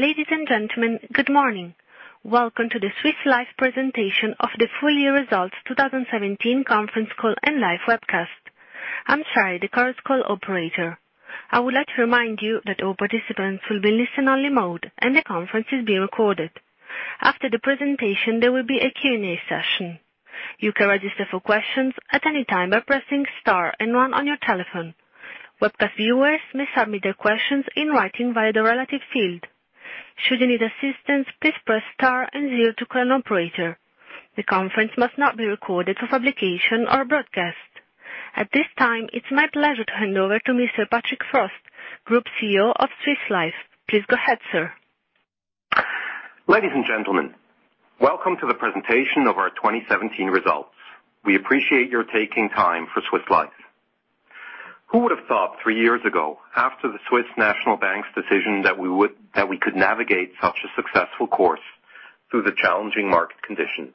Ladies and gentlemen, good morning. Welcome to the Swiss Life presentation of the full year results 2017 conference call and live webcast. I'm Shari, the current call operator. I would like to remind you that all participants will be in listen-only mode, and the conference is being recorded. After the presentation, there will be a Q&A session. You can register for questions at any time by pressing star and one on your telephone. Webcast viewers may submit their questions in writing via the relative field. Should you need assistance, please press star and zero to call an operator. The conference must not be recorded for publication or broadcast. At this time, it's my pleasure to hand over to Mr. Patrick Frost, Group CEO of Swiss Life. Please go ahead, sir. Ladies and gentlemen, welcome to the presentation of our 2017 results. We appreciate your taking time for Swiss Life. Who would have thought three years ago, after the Swiss National Bank's decision, that we could navigate such a successful course through the challenging market conditions?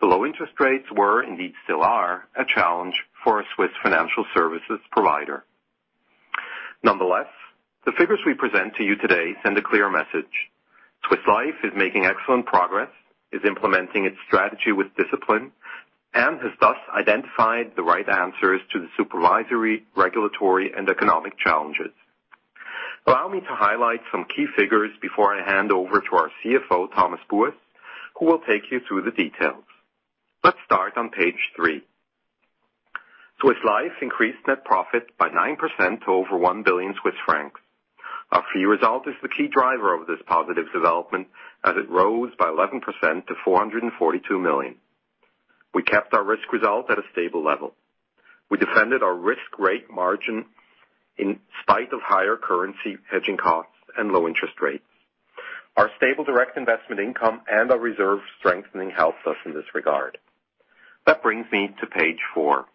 The low interest rates were, indeed still are, a challenge for a Swiss financial services provider. Nonetheless, the figures we present to you today send a clear message. Swiss Life is making excellent progress, is implementing its strategy with discipline, and has thus identified the right answers to the supervisory, regulatory, and economic challenges. Allow me to highlight some key figures before I hand over to our CFO, Thomas Buess, who will take you through the details. Let's start on page three. Swiss Life increased net profit by 9% to over 1 billion Swiss francs. Our fee result is the key driver of this positive development, as it rose by 11% to 442 million. We kept our risk result at a stable level. We defended our risk rate margin in spite of higher currency hedging costs and low interest rates. Our stable direct investment income and our reserve strengthening helped us in this regard. That brings me to page four.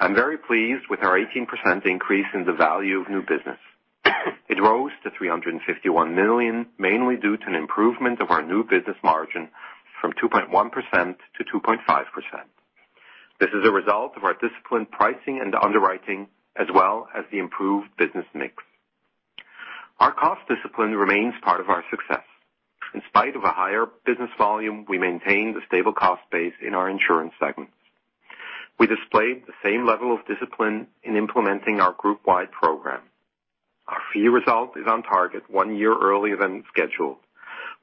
I'm very pleased with our 18% increase in the value of new business. It rose to 351 million, mainly due to an improvement of our new business margin from 2.1% to 2.5%. This is a result of our disciplined pricing and underwriting, as well as the improved business mix. Our cost discipline remains part of our success. In spite of a higher business volume, we maintained a stable cost base in our insurance segments. We displayed the same level of discipline in implementing our group-wide program. Our fee result is on target one year earlier than scheduled.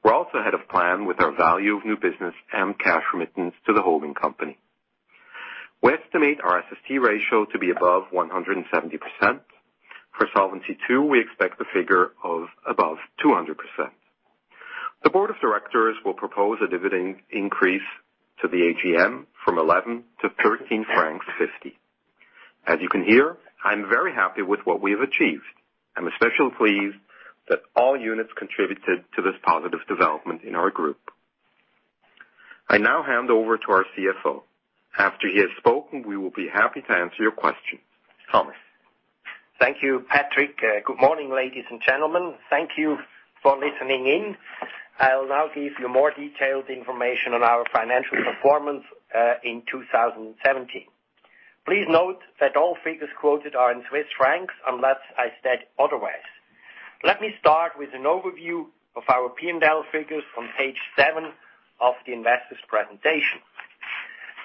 We're also ahead of plan with our value of new business and cash remittance to the holding company. We estimate our SST ratio to be above 170%. For Solvency II, we expect a figure of above 200%. The board of directors will propose a dividend increase to the AGM from 11 to 13.50 francs. As you can hear, I'm very happy with what we have achieved. I'm especially pleased that all units contributed to this positive development in our group. I now hand over to our CFO. After he has spoken, we will be happy to answer your questions. Thomas. Thank you, Patrick. Good morning, ladies and gentlemen. Thank you for listening in. I'll now give you more detailed information on our financial performance in 2017. Please note that all figures quoted are in Swiss francs unless I state otherwise. Let me start with an overview of our P&L figures on page seven of the investors presentation.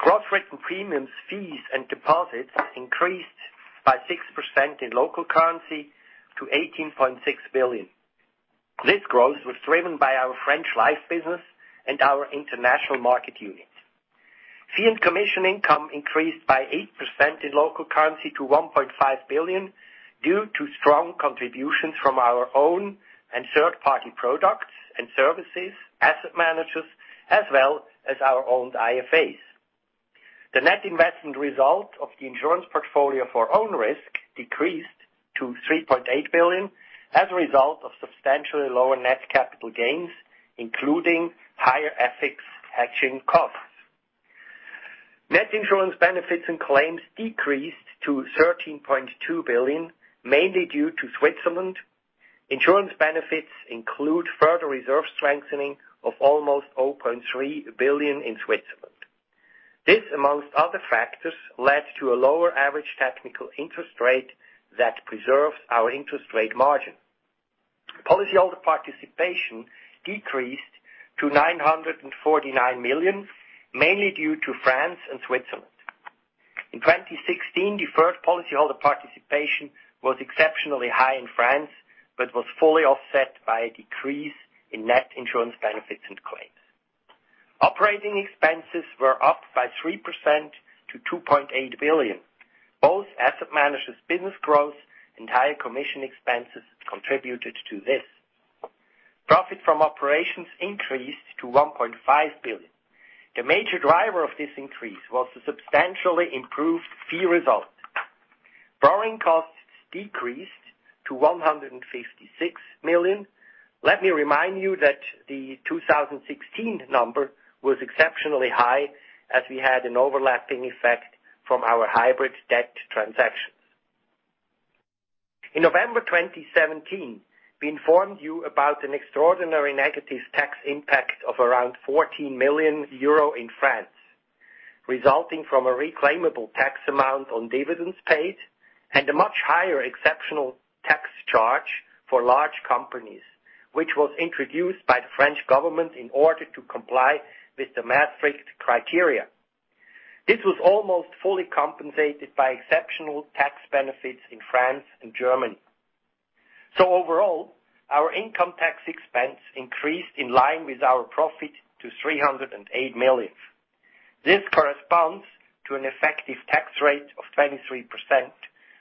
Gross written premiums, fees, and deposits increased by 6% in local currency to 18.6 billion. This growth was driven by our French life business and our international market unit. Fee and commission income increased by 8% in local currency to 1.5 billion due to strong contributions from our own and third-party products and services, asset managers, as well as our own IFAs. The net investment result of the insurance portfolio for own risk decreased to 3.8 billion as a result of substantially lower net capital gains, including higher FX hedging costs. Net insurance benefits and claims decreased to 13.2 billion, mainly due to Switzerland. Insurance benefits include further reserve strengthening of almost 0.3 billion in Switzerland. This, amongst other factors, led to a lower average technical interest rate that preserves our interest rate margin. Policyholder participation decreased to 949 million, mainly due to France and Switzerland. In 2016, deferred policyholder participation was exceptionally high in France but was fully offset by a decrease in net insurance benefits and claims. Operating expenses were up by 3% to 2.8 billion. Both asset managers business growth and higher commission expenses contributed to this. Profit from operations increased to 1.5 billion. The major driver of this increase was the substantially improved fee result. Borrowing costs decreased to 156 million. Let me remind you that the 2016 number was exceptionally high as we had an overlapping effect from our hybrid debt transactions. In November 2017, we informed you about an extraordinary negative tax impact of around 14 million euro in France. Resulting from a reclaimable tax amount on dividends paid and a much higher exceptional tax charge for large companies, which was introduced by the French government in order to comply with the Maastricht criteria. This was almost fully compensated by exceptional tax benefits in France and Germany. Overall, our income tax expense increased in line with our profit to 308 million. This corresponds to an effective tax rate of 23%,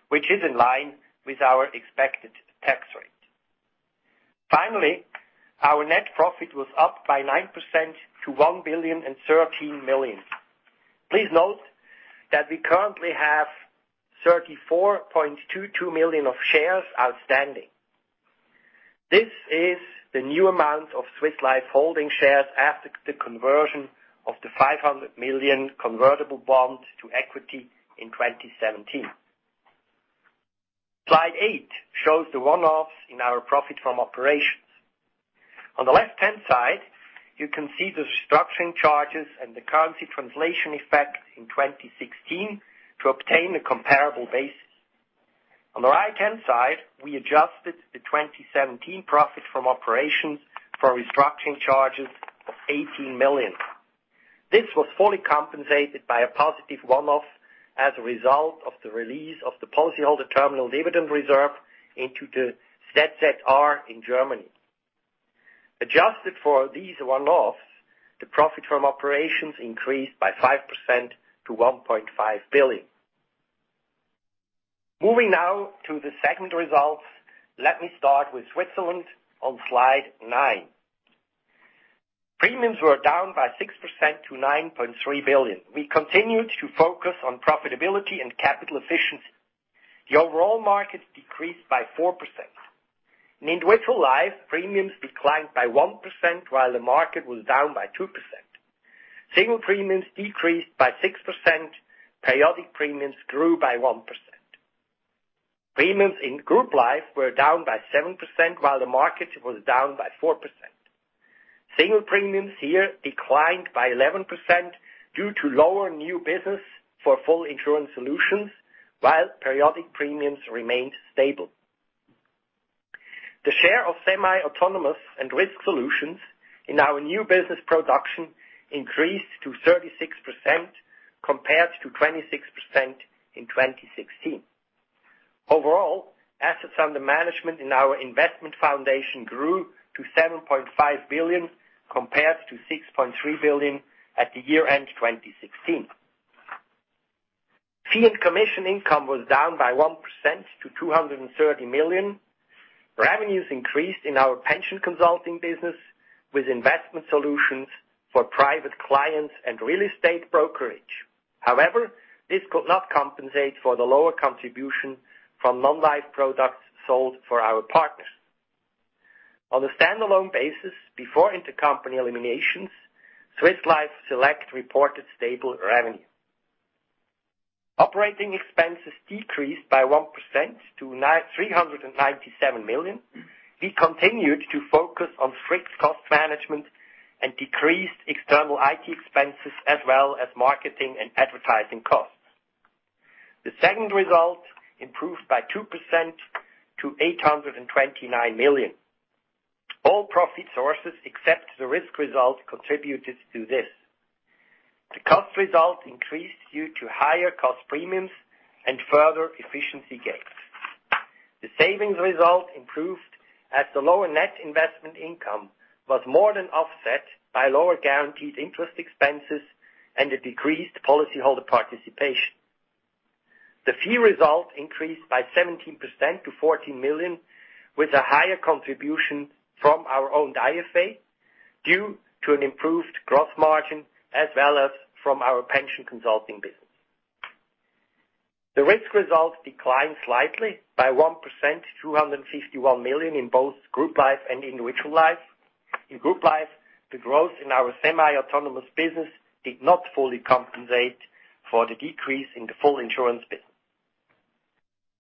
which is in line with our expected tax rate. Finally, our net profit was up by 9% to 1,013 million. Please note that we currently have 34.22 million of shares outstanding. This is the new amount of Swiss Life Holding shares after the conversion of the 500 million convertible bonds to equity in 2017. Slide eight shows the one-offs in our profit from operations. On the left-hand side, you can see the structuring charges and the currency translation effect in 2016 to obtain a comparable basis. On the right-hand side, we adjusted the 2017 profit from operations for restructuring charges of 18 million. This was fully compensated by a positive one-off as a result of the release of the policyholder terminal dividend reserve into the ZZR in Germany. Adjusted for these one-offs, the profit from operations increased by 5% to 1.5 billion. Moving now to the segment results. Let me start with Switzerland on slide nine. Premiums were down by 6% to 9.3 billion. We continued to focus on profitability and capital efficiency. The overall market decreased by 4%. In individual Life, premiums declined by 1% while the market was down by 2%. Single premiums decreased by 6%. Periodic premiums grew by 1%. Premiums in Group Life were down by 7%, while the market was down by 4%. Single premiums here declined by 11% due to lower new business for full insurance solutions, while periodic premiums remained stable. The share of semi-autonomous and risk solutions in our new business production increased to 36% compared to 26% in 2016. Overall, assets under management in our investment foundation grew to 7.5 billion, compared to 6.3 billion at the year-end 2016. Fee and commission income was down by 1% to 230 million. Revenues increased in our pension consulting business with investment solutions for private clients and real estate brokerage. This could not compensate for the lower contribution from non-life products sold for our partners. On a standalone basis, before intercompany eliminations, Swiss Life Select reported stable revenue. Operating expenses decreased by 1% to 397 million. We continued to focus on fixed cost management and decreased external IT expenses as well as marketing and advertising costs. The segment result improved by 2% to 829 million. All profit sources, except the risk result, contributed to this. The cost result increased due to higher cost premiums and further efficiency gains. The savings result improved as the lower net investment income was more than offset by lower guaranteed interest expenses and a decreased policyholder participation. The fee result increased by 17% to 14 million, with a higher contribution from our own IFA, due to an improved gross margin as well as from our pension consulting business. The risk result declined slightly by 1% to 251 million in both Group Life and Individual Life. In Group Life, the growth in our semi-autonomous business did not fully compensate for the decrease in the full insurance business.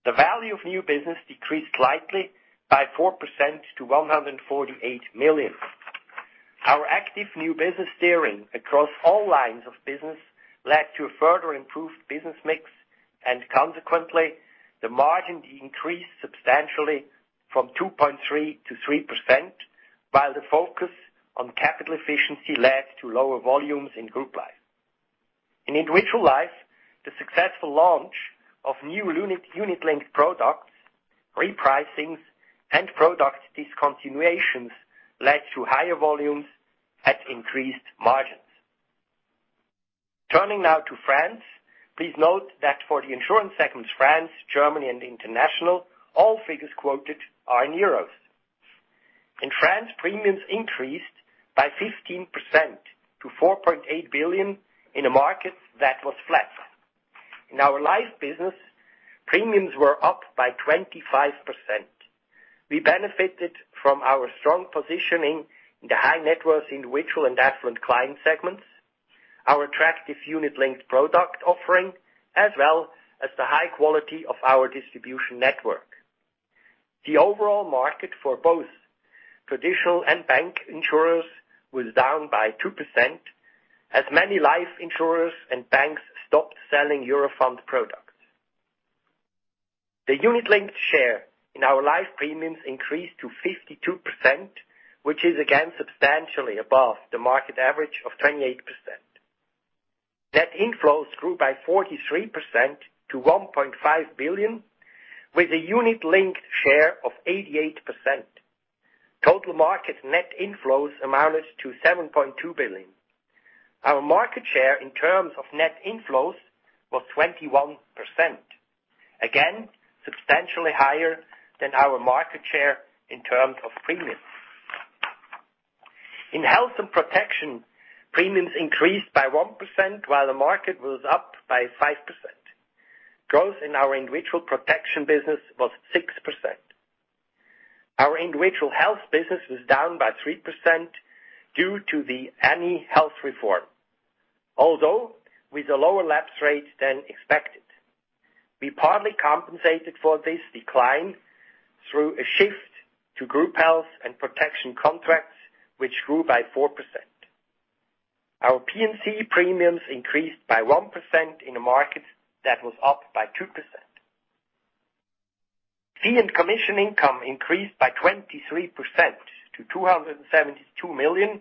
The value of new business decreased slightly by 4% to 148 million. Our active new business steering across all lines of business led to a further improved business mix, and consequently, the margin increased substantially from 2.3% to 3%, while the focus on capital efficiency led to lower volumes in Group Life. In Individual Life, the successful launch of new unit-linked products, repricings, and product discontinuations led to higher volumes at increased margins. Turning now to France. Please note that for the insurance segments France, Germany, and International, all figures quoted are in euros. In France, premiums increased by 15% to 4.8 billion in a market that was flat. In our Life business, premiums were up by 25%. We benefited from our strong positioning in the high net worth individual and affluent client segments, our attractive unit-linked product offering, as well as the high quality of our distribution network. The overall market for both traditional and bank insurers was down by 2%, as many life insurers and banks stopped selling euro fund products. The unit-linked share in our life premiums increased to 52%, which is again substantially above the market average of 28%. Net inflows grew by 43% to 1.5 billion, with a unit-linked share of 88%. Total market net inflows amounted to 7.2 billion. Our market share in terms of net inflows was 21%. Again, substantially higher than our market share in terms of premiums. In health and protection, premiums increased by 1%, while the market was up by 5%. Growth in our individual protection business was 6%. Our individual health business was down by 3% due to the ANI Health reform. Although, with a lower lapse rate than expected. We partly compensated for this decline through a shift to group health and protection contracts, which grew by 4%. Our P&C premiums increased by 1% in a market that was up by 2%. Fee and commission income increased by 23% to 272 million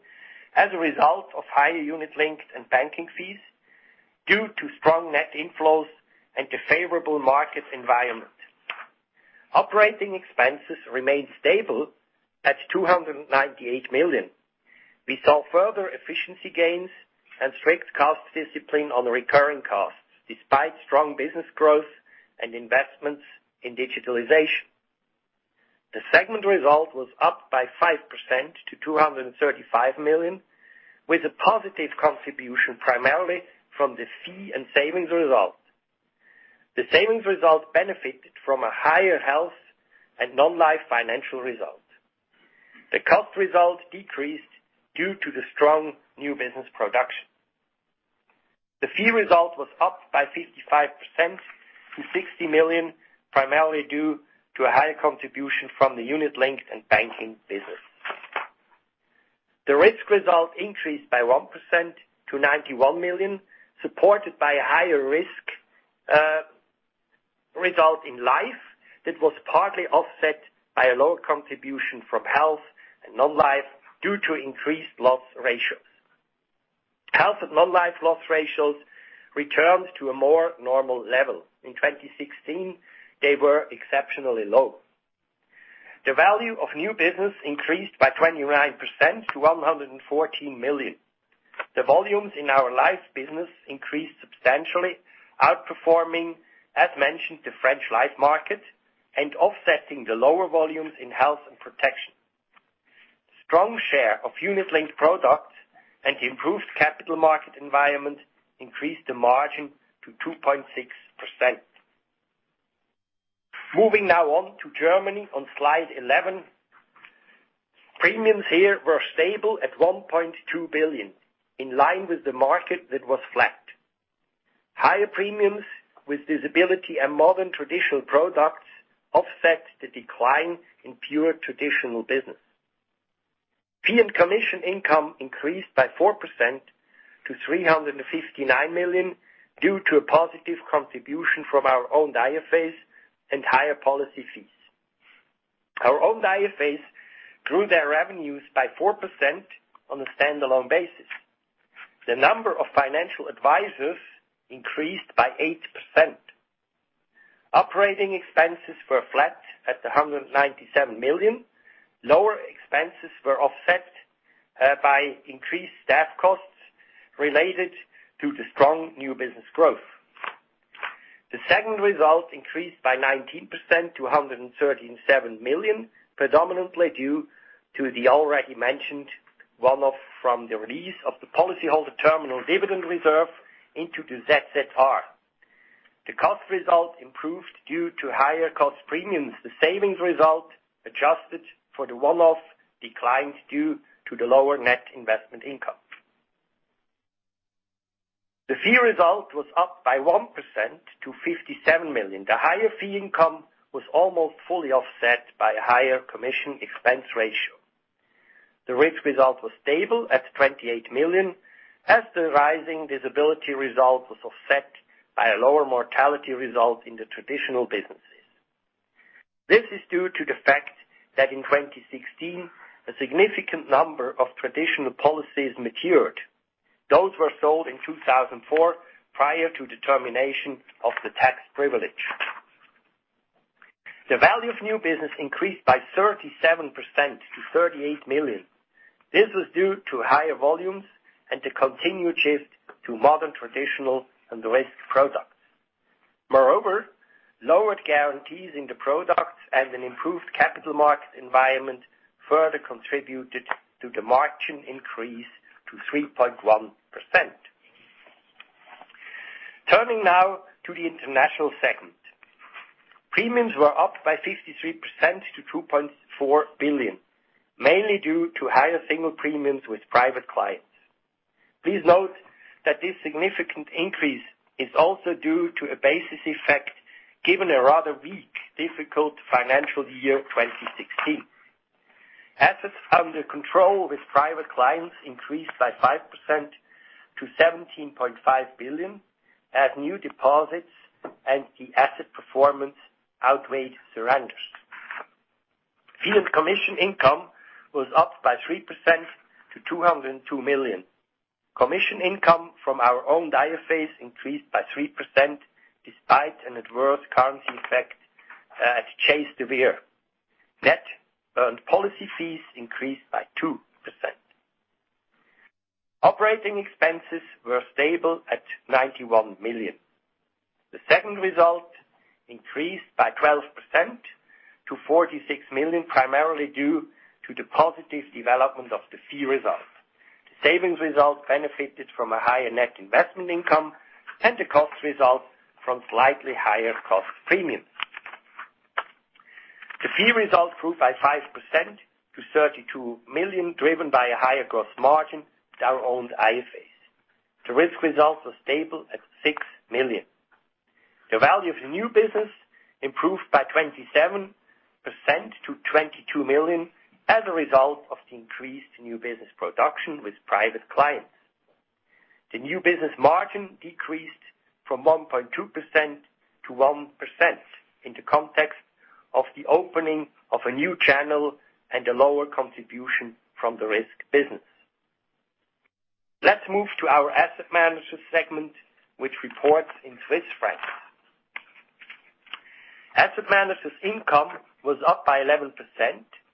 as a result of higher unit-linked and banking fees due to strong net inflows and the favorable market environment. Operating expenses remained stable at 298 million. We saw further efficiency gains and strict cost discipline on recurring costs, despite strong business growth and investments in digitalization. The segment result was up by 5% to 235 million, with a positive contribution primarily from the fee and savings result. The savings result benefited from a higher health and non-life financial result. The cost result decreased due to the strong new business production. The fee result was up by 55% to 60 million, primarily due to a higher contribution from the unit-linked and banking business. The risk result increased by 1% to 91 million, supported by a higher risk result in Life that was partly offset by a lower contribution from health and non-life due to increased loss ratios. Health and non-life loss ratios returned to a more normal level. In 2016, they were exceptionally low. The value of new business increased by 29% to 114 million. The volumes in our life business increased substantially, outperforming, as mentioned, the French Life market and offsetting the lower volumes in health and protection. Strong share of unit-linked products and improved capital market environment increased the margin to 2.6%. Moving now on to Germany on slide 11. Premiums here were stable at 1.2 billion, in line with the market that was flat. Higher premiums with disability and modern traditional products offset the decline in pure traditional business. Fee and commission income increased by 4% to 359 million due to a positive contribution from our own IFAs and higher policy fees. Our own IFAs grew their revenues by 4% on a standalone basis. The number of financial advisors increased by 8%. Operating expenses were flat at 197 million. Lower expenses were offset by increased staff costs related to the strong new business growth. The segment result increased by 19% to 137 million, predominantly due to the already mentioned one-off from the release of the policyholder terminal dividend reserve into the ZZR. The cost result improved due to higher cost premiums. The savings result adjusted for the one-off declines due to the lower net investment income. The fee result was up by 1% to 57 million. The higher fee income was almost fully offset by a higher commission expense ratio. The risk result was stable at 28 million, as the rising disability result was offset by a lower mortality result in the traditional businesses. This is due to the fact that in 2016, a significant number of traditional policies matured. Those were sold in 2004 prior to the termination of the tax privilege. The value of new business increased by 37% to 38 million. This was due to higher volumes and the continued shift to modern traditional and risk products. Moreover, lowered guarantees in the products and an improved capital market environment further contributed to the margin increase to 3.1%. Turning now to the international segment. Premiums were up by 53% to 2.4 billion, mainly due to higher single premiums with private clients. Please note that this significant increase is also due to a basis effect given a rather weak, difficult financial year 2016. Assets under control with private clients increased by 5% to 17.5 billion as new deposits and the asset performance outweighed surrenders. Fee and commission income was up by 3% to 202 million. Commission income from our own IFAs increased by 3%, despite an adverse currency effect at Chase de Vere. Net earned policy fees increased by 2%. Operating expenses were stable at 91 million. The segment result increased by 12% to 46 million, primarily due to the positive development of the fee result. The savings result benefited from a higher net investment income and the cost result from slightly higher cost premiums. The fee result grew by 5% to 32 million, driven by a higher gross margin with our own IFAs. The risk results was stable at 6 million. The value of the new business improved by 27% to 22 million as a result of the increased new business production with private clients. The new business margin decreased from 1.2% to 1% in the context of the opening of a new channel and a lower contribution from the risk business. Let's move to our asset management segment, which reports in Swiss francs. Asset management income was up by 11%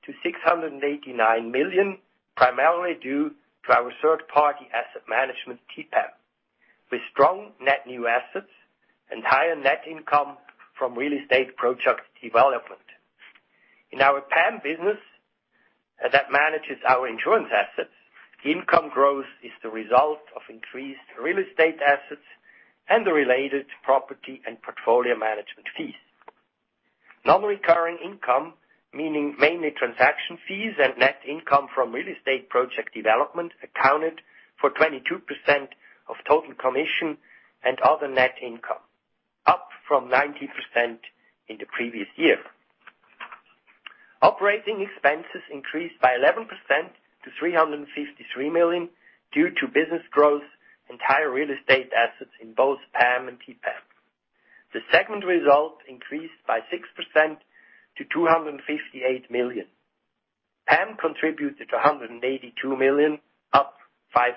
to 689 million, primarily due to our third-party asset management, TPAM, with strong net new assets and higher net income from real estate project development. In our PAM business that manages our insurance assets, income growth is the result of increased real estate assets and the related property and portfolio management fees. Non-recurring income, meaning mainly transaction fees and net income from real estate project development, accounted for 22% of total commission and other net income, up from 19% in the previous year. Operating expenses increased by 11% to 353 million due to business growth and higher real estate assets in both PAM and TPAM. The segment result increased by 6% to 258 million. PAM contributed 182 million, up 5%.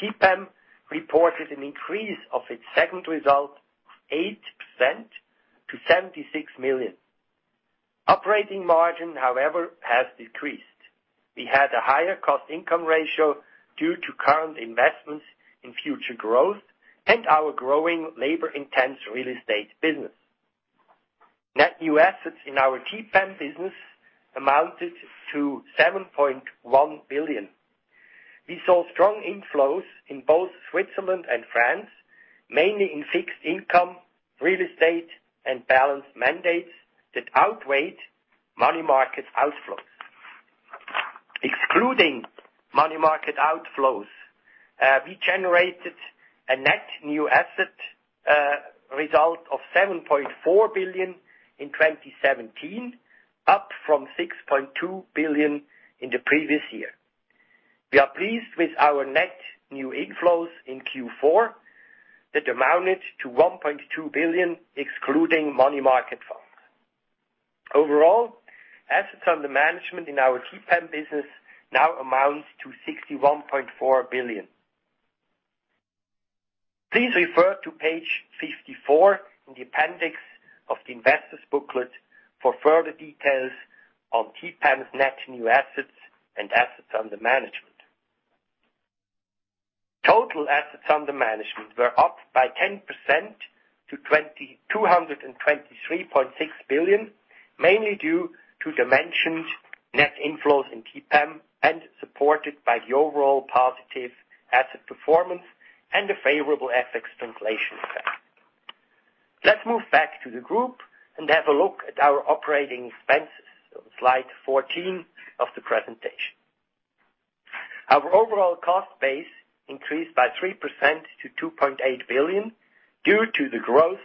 TPAM reported an increase of its segment result of 8% to 76 million. Operating margin, however, has decreased. We had a higher cost income ratio due to current investments in future growth and our growing labor-intensive real estate business. Net new assets in our TPAM business amounted to 7.1 billion. We saw strong inflows in both Switzerland and France, mainly in fixed income, real estate, and balanced mandates that outweighed money market outflows. Excluding money market outflows, we generated a net new asset result of 7.4 billion in 2017, up from 6.2 billion in the previous year. We are pleased with our net new inflows in Q4 that amounted to 1.2 billion excluding money market funds. Overall, assets under management in our TPAM business now amount to 61.4 billion. Please refer to page 54 in the appendix of the investors booklet for further details on TPAM's net new assets and assets under management. Total assets under management were up by 10% to 223.6 billion, mainly due to dimensions, net inflows in TPAM, and supported by the overall positive asset performance and the favorable FX translation effect. Let's move back to the group and have a look at our operating expenses on slide 14 of the presentation. Our overall cost base increased by 3% to 2.8 billion due to the growth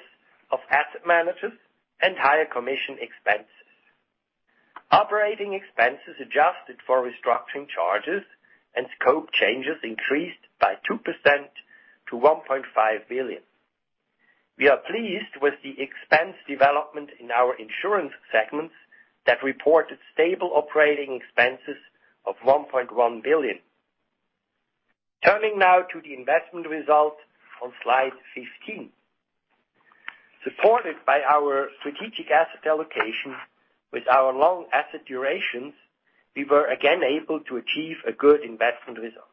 of asset managers and higher commission expenses. Operating expenses adjusted for restructuring charges and scope changes increased by 2% to 1.5 billion. We are pleased with the expense development in our insurance segments that reported stable operating expenses of 1.1 billion. Turning now to the investment result on slide 15. Supported by our strategic asset allocation with our long asset durations, we were again able to achieve a good investment result.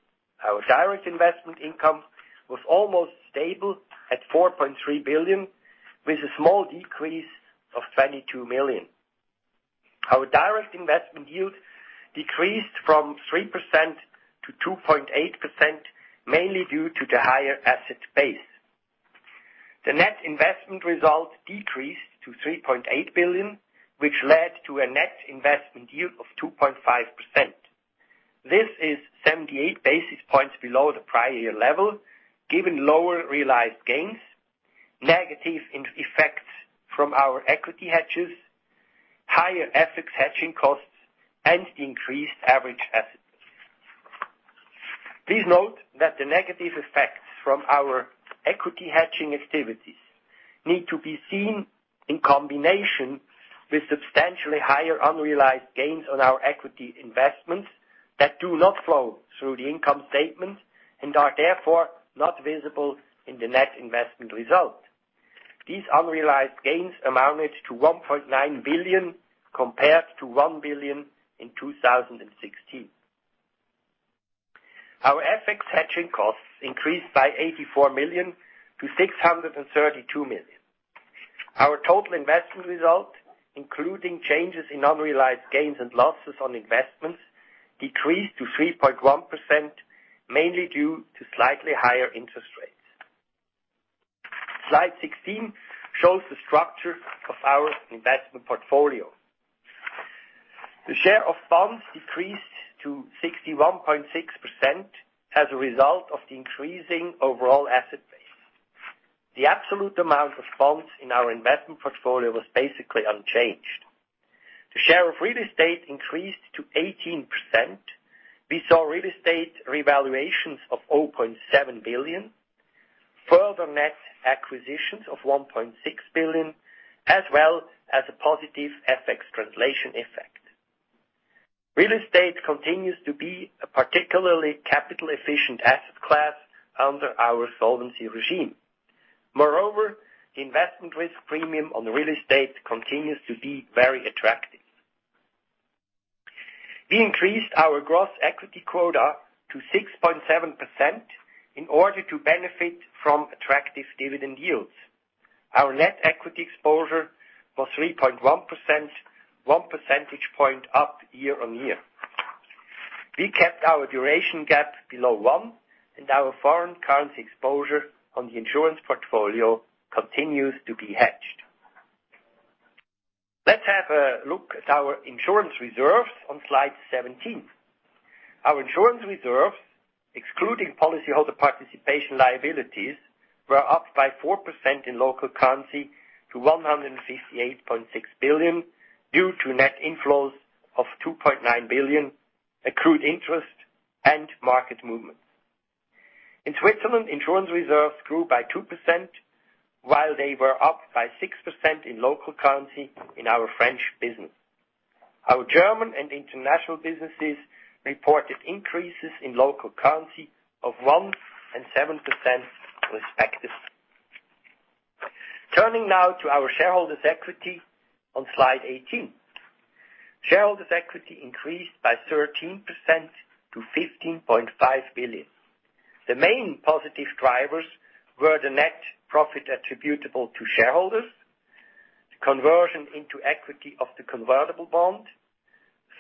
Our direct investment income was almost stable at 4.3 billion, with a small decrease of 22 million. Our direct investment yield decreased from 3% to 2.8%, mainly due to the higher asset base. The net investment result decreased to 3.8 billion, which led to a net investment yield of 2.5%. This is 78 basis points below the prior year level, given lower realized gains, negative effects from our equity hedges, higher FX hedging costs, and increased average assets. Please note that the negative effects from our equity hedging activities need to be seen in combination with substantially higher unrealized gains on our equity investments that do not flow through the income statement and are therefore not visible in the net investment result. These unrealized gains amounted to 1.9 billion compared to 1 billion in 2016. Our FX hedging costs increased by 84 million to 632 million. Our total investment result, including changes in unrealized gains and losses on investments, decreased to 3.1%, mainly due to slightly higher interest rates. Slide 16 shows the structure of our investment portfolio. The share of bonds decreased to 61.6% as a result of the increasing overall asset base. The absolute amount of bonds in our investment portfolio was basically unchanged. The share of real estate increased to 18%. We saw real estate revaluations of 0.7 billion, further net acquisitions of 1.6 billion, as well as a positive FX translation effect. Real estate continues to be a particularly capital-efficient asset class under our solvency regime. Moreover, investment risk premium on real estate continues to be very attractive. We increased our gross equity quota to 6.7% in order to benefit from attractive dividend yields. Our net equity exposure was 3.1%, one percentage point up year on year. We kept our duration gap below one, and our foreign currency exposure on the insurance portfolio continues to be hedged. Let's have a look at our insurance reserves on slide 17. Our insurance reserves, excluding policyholder participation liabilities, were up by 4% in local currency to 158.6 billion due to net inflows of 2.9 billion, accrued interest, and market movement. In Switzerland, insurance reserves grew by 2%, while they were up by 6% in local currency in our French business. Our German and international businesses reported increases in local currency of 1% and 7% respectively. Turning now to our shareholders' equity on slide 18. Shareholders' equity increased by 13% to 15.5 billion. The main positive drivers were the net profit attributable to shareholders, the conversion into equity of the convertible bond,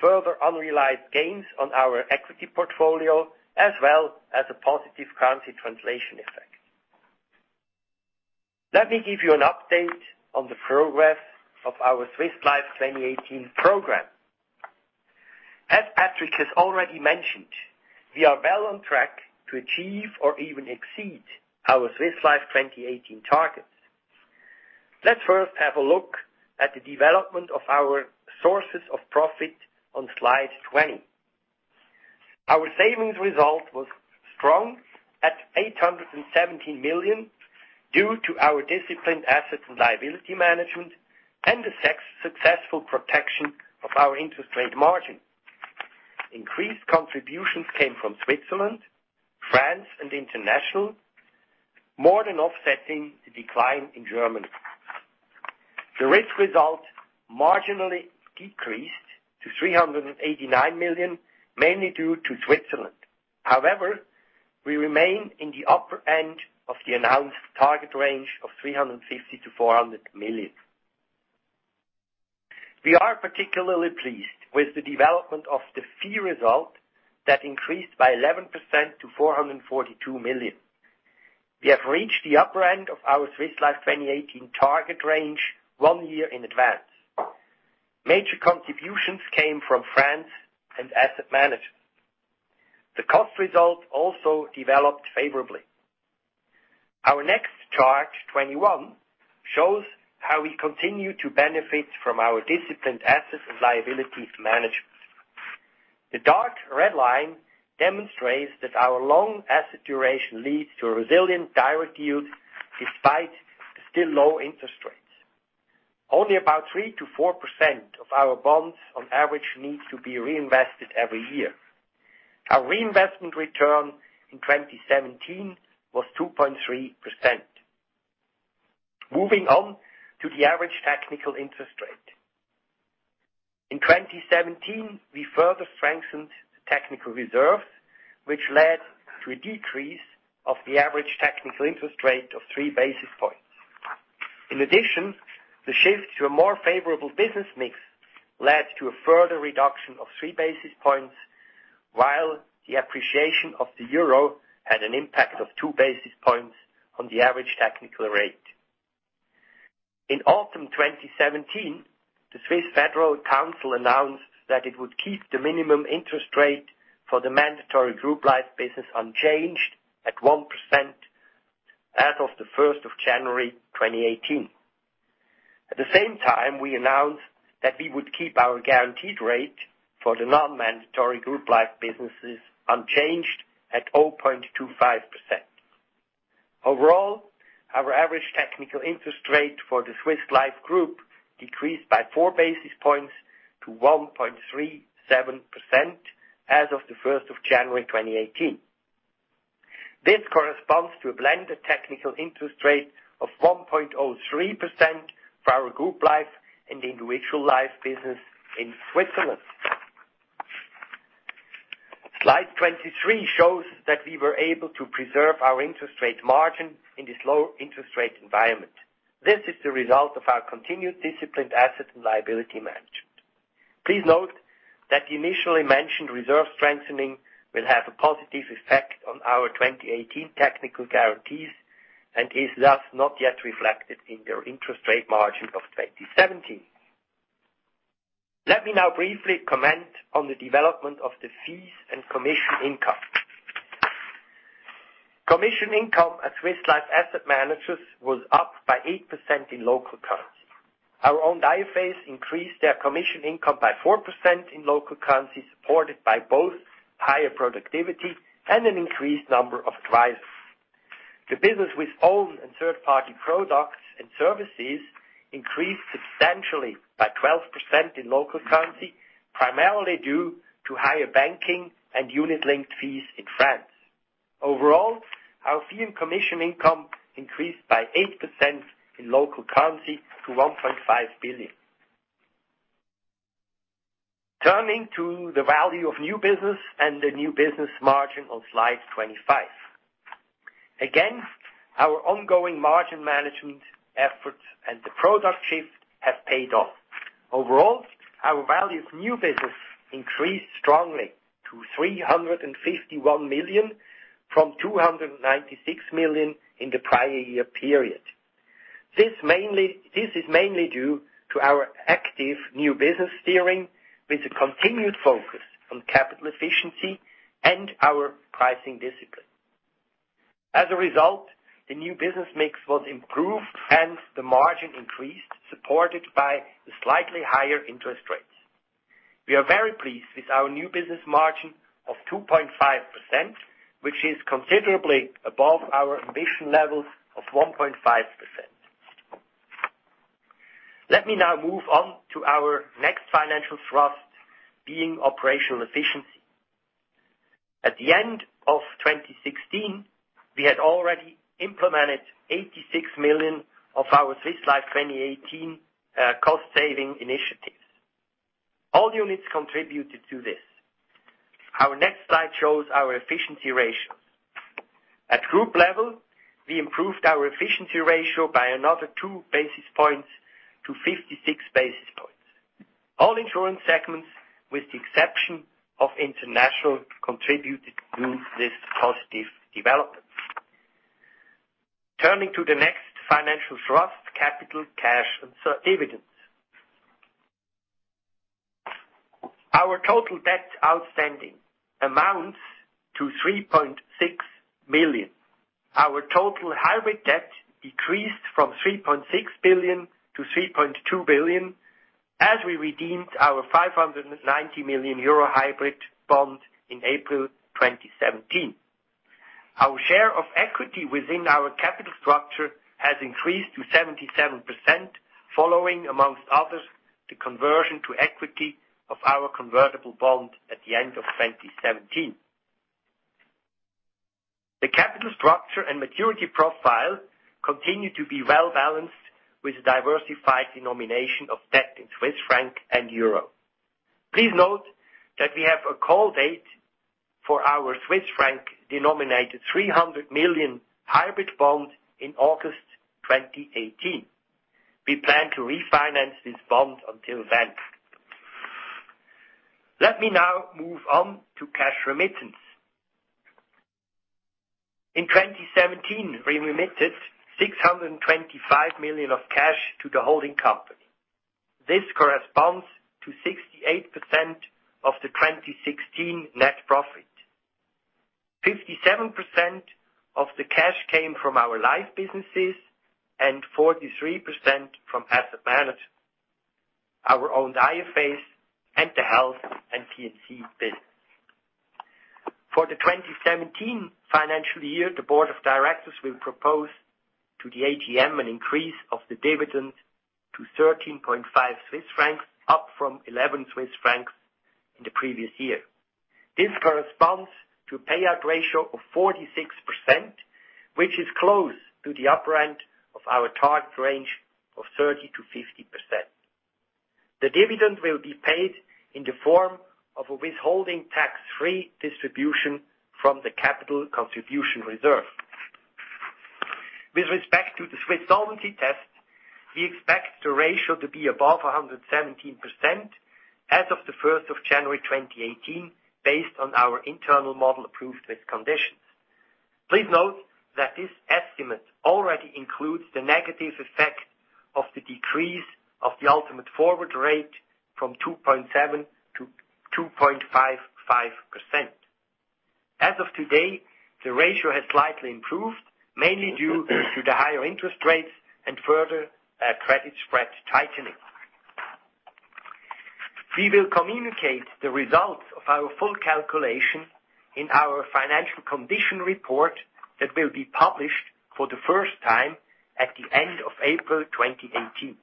further unrealized gains on our equity portfolio, as well as a positive currency translation effect. Let me give you an update on the progress of our Swiss Life 2018 program. As Patrick has already mentioned, we are well on track to achieve or even exceed our Swiss Life 2018 targets. Let's first have a look at the development of our sources of profit on slide 20. Our savings result was strong at 817 million due to our disciplined asset and liability management and the successful protection of our interest rate margin. Increased contributions came from Switzerland, France, and International, more than offsetting the decline in Germany. The risk result marginally decreased to 389 million, mainly due to Switzerland. However, we remain in the upper end of the announced target range of 350 million-400 million. We are particularly pleased with the development of the fee result that increased by 11% to 442 million. We have reached the upper end of our Swiss Life 2018 target range one year in advance. Major contributions came from France and asset management. The cost result also developed favorably. Our next chart, 21, shows how we continue to benefit from our disciplined asset and liabilities management. The dark red line demonstrates that our long asset duration leads to a resilient direct yield despite the still low interest rates. Only about 3%-4% of our bonds on average need to be reinvested every year. Our reinvestment return in 2017 was 2.3%. Moving on to the average technical interest rate. In 2017, we further strengthened the technical reserves, which led to a decrease of the average technical interest rate of three basis points. In addition, the shift to a more favorable business mix led to a further reduction of three basis points, while the appreciation of the euro had an impact of two basis points on the average technical rate. In autumn 2017, the Swiss Federal Council announced that it would keep the minimum interest rate for the mandatory group life business unchanged at 1% as of the 1st of January 2018. At the same time, we announced that we would keep our guaranteed rate for the non-mandatory group life businesses unchanged at 0.25%. Overall, our average technical interest rate for the Swiss Life group decreased by four basis points to 1.37% as of the 1st of January 2018. This corresponds to a blended technical interest rate of 1.03% for our group life and individual life business in Switzerland. Slide 23 shows that we were able to preserve our interest rate margin in this low interest rate environment. This is the result of our continued disciplined asset and liability management. Please note that the initially mentioned reserve strengthening will have a positive effect on our 2018 technical guarantees and is thus not yet reflected in your interest rate margin of 2017. Let me now briefly comment on the development of the fees and commission income. Commission income at Swiss Life Asset Managers was up by 8% in local currency. Our owned IFAs increased their commission income by 4% in local currency, supported by both higher productivity and an increased number of advisors. The business with owned and third-party products and services increased substantially by 12% in local currency, primarily due to higher banking and unit-linked fees in France. Overall, our fee and commission income increased by 8% in local currency to 1.5 billion. Turning to the value of new business and the new business margin on slide 25. Our ongoing margin management efforts and the product shift have paid off. Overall, our valued new business increased strongly to 351 million from 296 million in the prior year period. This is mainly due to our active new business steering with a continued focus on capital efficiency and our pricing discipline. As a result, the new business mix was improved and the margin increased, supported by the slightly higher interest rates. We are very pleased with our new business margin of 2.5%, which is considerably above our ambition levels of 1.5%. Let me now move on to our next financial thrust being operational efficiency. At the end of 2016, we had already implemented 86 million of our Swiss Life 2018 cost-saving initiatives. All units contributed to this. Our next slide shows our efficiency ratios. At group level, we improved our efficiency ratio by another two basis points to 56 basis points. All insurance segments, with the exception of international, contributed to this positive development. Turning to the next financial thrust, capital, cash and dividends. Our total debt outstanding amounts to 3.6 billion. Our total hybrid debt decreased from 3.6 billion to 3.2 billion as we redeemed our 590 million euro hybrid bond in April 2017. Our share of equity within our capital structure has increased to 77%, following, amongst others, the conversion to equity of our convertible bond at the end of 2017. The capital structure and maturity profile continue to be well-balanced with a diversified denomination of debt in Swiss franc and euro. Please note that we have a call date for our Swiss franc-denominated 300 million hybrid bond in August 2018. We plan to refinance this bond until then. Let me now move on to cash remittance. In 2017, we remitted 625 million of cash to the holding company. This corresponds to 68% of the 2016 net profit. 57% of the cash came from our life businesses and 43% from asset management, our owned IFAs and the health and P&C business. For the 2017 financial year, the board of directors will propose to the AGM an increase of the dividend to 13.5 Swiss francs, up from 11 Swiss francs in the previous year. This corresponds to a payout ratio of 46%, which is close to the upper end of our target range of 30%-50%. The dividend will be paid in the form of a withholding tax-free distribution from the capital contribution reserve. With respect to the Swiss Solvency Test, we expect the ratio to be above 170% as of the 1st of January 2018, based on our internal model-approved risk conditions. Please note that this estimate already includes the negative effect of the decrease of the ultimate forward rate from 2.7%-2.55%. As of today, the ratio has slightly improved, mainly due to the higher interest rates and further credit spread tightening. We will communicate the results of our full calculation in our financial condition report that will be published for the first time at the end of April 2018.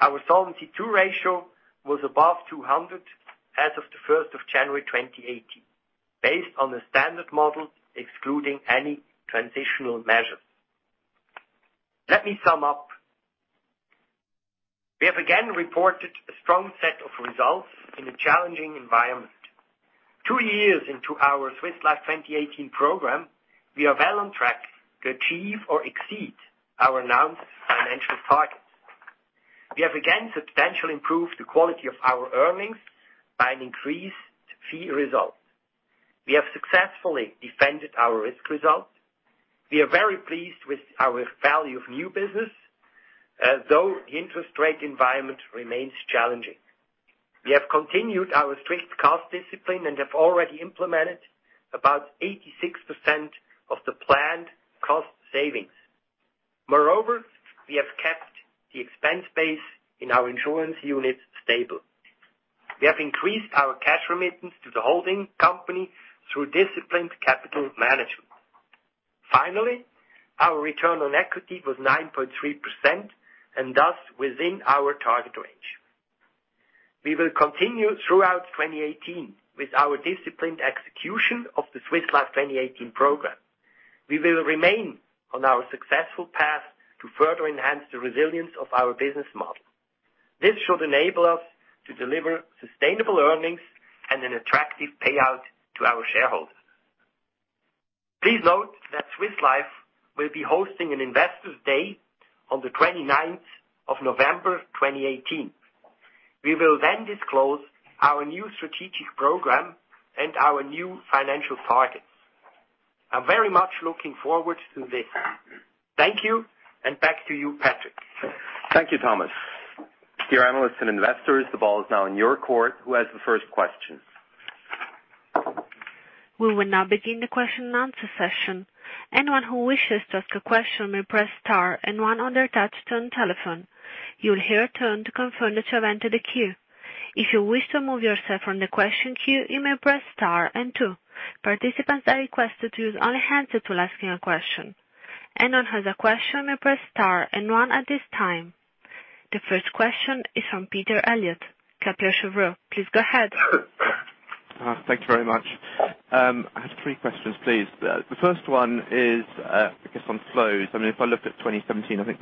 Our Solvency II ratio was above 200% as of the 1st of January 2018. Based on the standard model, excluding any transitional measures. Let me sum up. We have again reported a strong set of results in a challenging environment. Two years into our Swiss Life 2018 program, we are well on track to achieve or exceed our announced financial targets. We have again substantially improved the quality of our earnings by an increased fee result. We have successfully defended our risk result. We are very pleased with our value of new business, although the interest rate environment remains challenging. We have continued our strict cost discipline and have already implemented about 86% of the planned cost savings. Moreover, we have kept the expense base in our insurance units stable. We have increased our cash remittance to the holding company through disciplined capital management. Finally, our return on equity was 9.3%, and thus, within our target range. We will continue throughout 2018 with our disciplined execution of the Swiss Life 2018 program. We will remain on our successful path to further enhance the resilience of our business model. This should enable us to deliver sustainable earnings and an attractive payout to our shareholders. Please note that Swiss Life will be hosting an Investor Day on the 29th of November 2018. We will then disclose our new strategic program and our new financial targets. I'm very much looking forward to this. Thank you, and back to you, Patrick. Thank you, Thomas. Dear analysts and investors, the ball is now in your court. Who has the first question? We will now begin the question and answer session. Anyone who wishes to ask a question may press star and one on their touch-tone telephone. You will hear a tone to confirm that you have entered the queue. If you wish to remove yourself from the question queue, you may press star and two. Participants are requested to use only hands up to asking a question. Anyone who has a question may press star and one at this time. The first question is from Peter Eliot, Kepler Cheuvreux. Please go ahead. Thank you very much. I have three questions, please. The first one is, I guess, on flows. If I look at 2017, I think,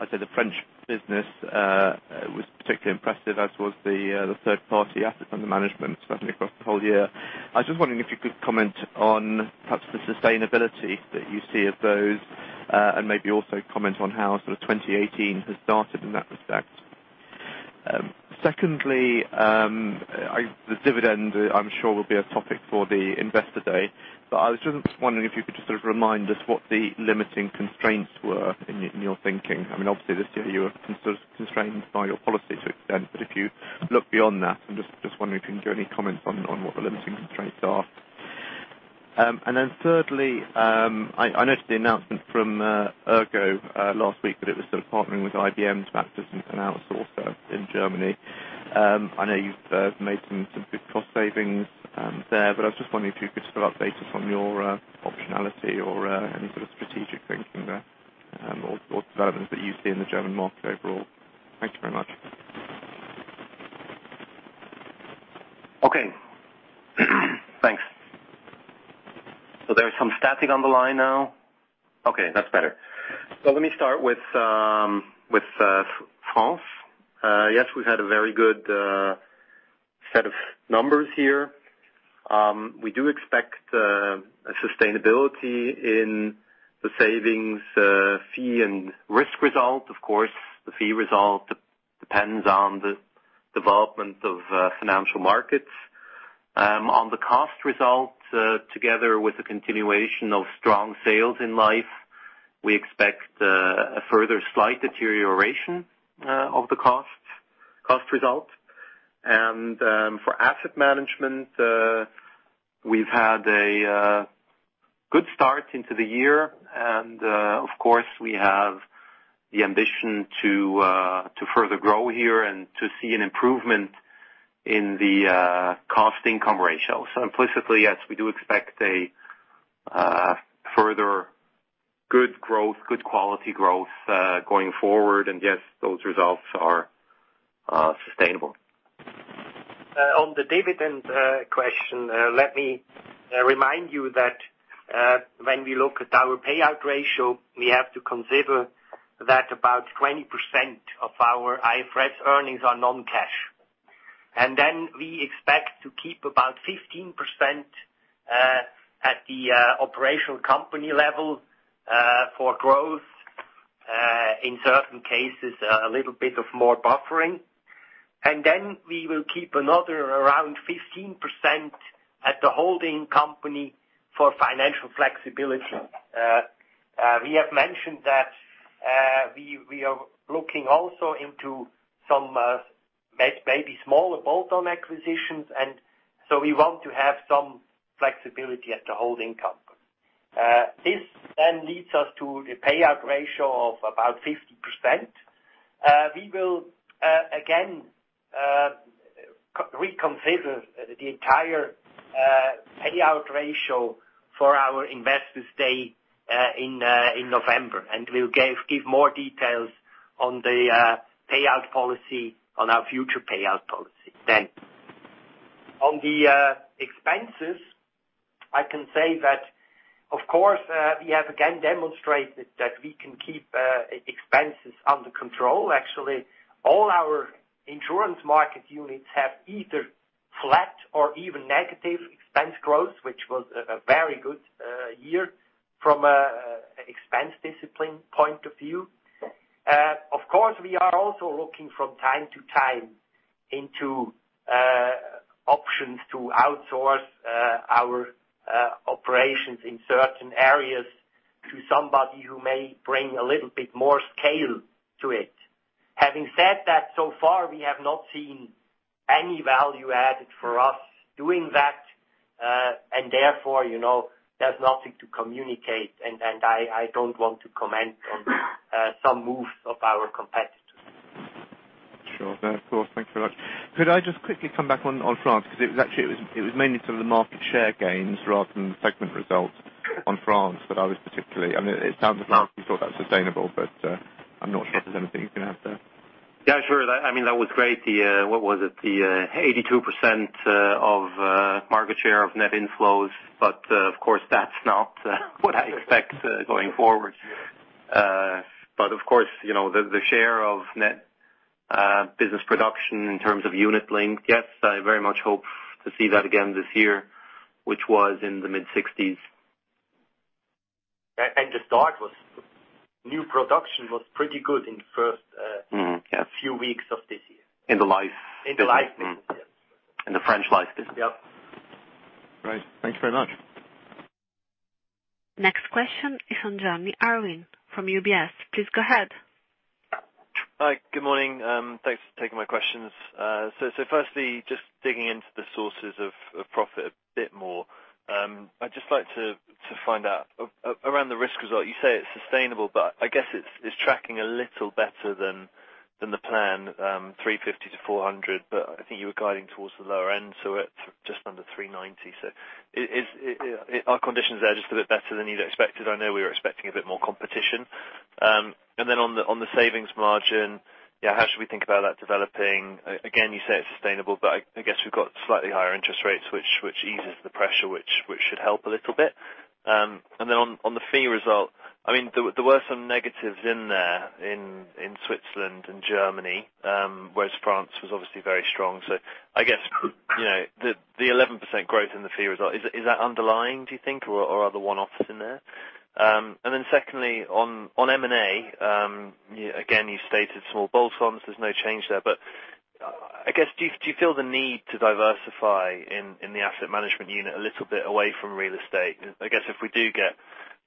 I'd say the French business was particularly impressive as was the third-party asset under management across the whole year. I was just wondering if you could comment on perhaps the sustainability that you see of those, and maybe also comment on how sort of 2018 has started in that respect. Secondly, the dividend, I'm sure, will be a topic for the Investor Day. I was just wondering if you could just sort of remind us what the limiting constraints were in your thinking. Obviously, this year you were constrained by your policy to an extent. If you look beyond that, I'm just wondering if you can give any comments on what the limiting constraints are. Thirdly, I noticed the announcement from ERGO last week that it was sort of partnering with IBM to act as an outsourcer in Germany. I know you've made some good cost savings there. I was just wondering if you could just update us on your optionality or any sort of strategic thinking there, or developments that you see in the German market overall. Thank you very much. Okay. Thanks. There's some static on the line now. Okay, that's better. Let me start with France. Yes, we've had a very good set of numbers here. We do expect a sustainability in the savings fee and risk result. Of course, the fee result depends on the development of financial markets. On the cost result, together with the continuation of strong sales in Life, we expect a further slight deterioration of the cost result. For asset management, we've had a good start into the year, and of course, we have the ambition to further grow here and to see an improvement in the cost-income ratio. Implicitly, yes, we do expect a further good growth, good quality growth, going forward. Yes, those results are sustainable. On the dividend question, let me remind you that when we look at our payout ratio, we have to consider that about 20% of our IFRS earnings are non-cash. We expect to keep about 15% at the operational company level for growth, in certain cases, a little bit of more buffering. We will keep another around 15% at the holding company for financial flexibility. We have mentioned that we are looking also into some, maybe smaller bolt-on acquisitions, we want to have some flexibility at the holding company. This then leads us to the payout ratio of about 50%. We will, again, reconsider the entire payout ratio for our Investor Day in November. We'll give more details on our future payout policy then. On the expenses, I can say that, of course, we have again demonstrated that we can keep expenses under control. Actually, all our insurance market units have either flat or even negative expense growth, which was a very good year from an expense discipline point of view. Of course, we are also looking from time to time into options to outsource our operations in certain areas to somebody who may bring a little bit more scale to it. Having said that, so far, we have not seen any value added for us doing that. Therefore, there's nothing to communicate, and I don't want to comment on some moves of our competitors. Sure. No, of course. Thanks very much. Could I just quickly come back on France? Because it was mainly some of the market share gains rather than the segment results on France. It sounds as though you thought that's sustainable, but I'm not sure if there's anything you can add there. Yeah, sure. That was great. What was it? The 82% of market share of net inflows. Of course, that's not what I expect going forward. Of course, the share of net business production in terms of unit-linked, yes, I very much hope to see that again this year, which was in the mid-60s. The start was, new production was pretty good. Mm-hmm. Yeah. few weeks of this year. In the life business. In the life business. Yeah. In the French life business. Yep. Great. Thank you very much. Next question is from Jonny Urwin from UBS. Please go ahead. Hi. Good morning. Thanks for taking my questions. Firstly, just digging into the sources of profit a bit more. I'd just like to find out, around the risk result, you say it's sustainable, I guess it's tracking a little better than the plan, 350-400. I think you were guiding towards the lower end, it's just under 390. Are conditions there just a bit better than you'd expected? I know we were expecting a bit more competition. On the savings margin, how should we think about that developing? Again, you say it's sustainable, I guess we've got slightly higher interest rates, which eases the pressure, which should help a little bit. On the fee result, there were some negatives in there in Switzerland and Germany. Whereas France was obviously very strong. I guess, the 11% growth in the fee result, is that underlying, do you think? Or are there one-offs in there? Secondly, on M&A, again, you've stated small bolt-ons, there's no change there. I guess, do you feel the need to diversify in the asset management unit a little bit away from real estate? I guess if we do get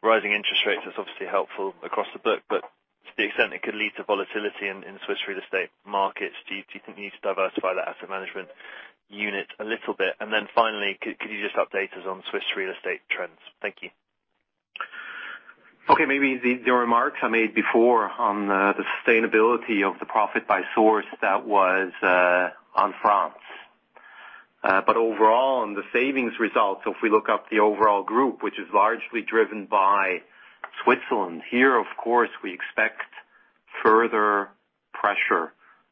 rising interest rates, that's obviously helpful across the book, but to the extent it could lead to volatility in Swiss real estate markets, do you think you need to diversify that asset management unit a little bit? Finally, could you just update us on Swiss real estate trends? Thank you. Okay. Maybe the remarks I made before on the sustainability of the profit by source, that was on France. Overall, on the savings results, if we look up the overall group, which is largely driven by Switzerland. Here, of course, we expect further pressure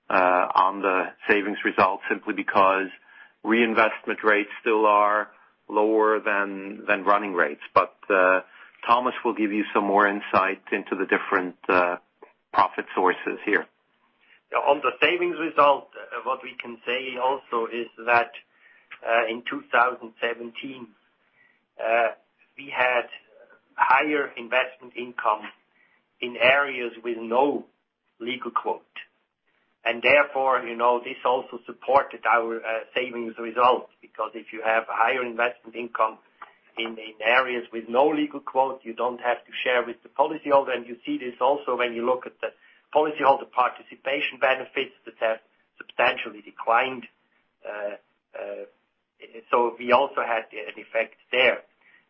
on the savings results simply because reinvestment rates still are lower than running rates. Thomas will give you some more insight into the different profit sources here. On the savings result, what we can say also is that in 2017, we had higher investment income in areas with no legal quota. Therefore, this also supported our savings result. Because if you have higher investment income in areas with no legal quota, you don't have to share with the policyholder, and you see this also when you look at the policyholder participation benefits that have substantially declined. We also had an effect there.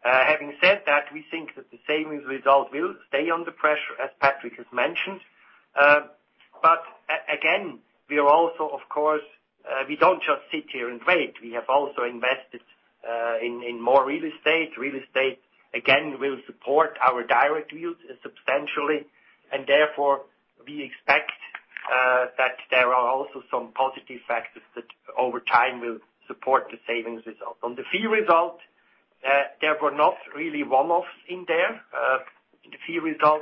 Having said that, we think that the savings result will stay under pressure, as Patrick has mentioned. Again, we don't just sit here and wait. We have also invested in more real estate. Real estate, again, will support our direct yields substantially. We expect that there are also some positive factors that over time will support the savings result. On the fee result, there were not really one-offs in there. In the fee result,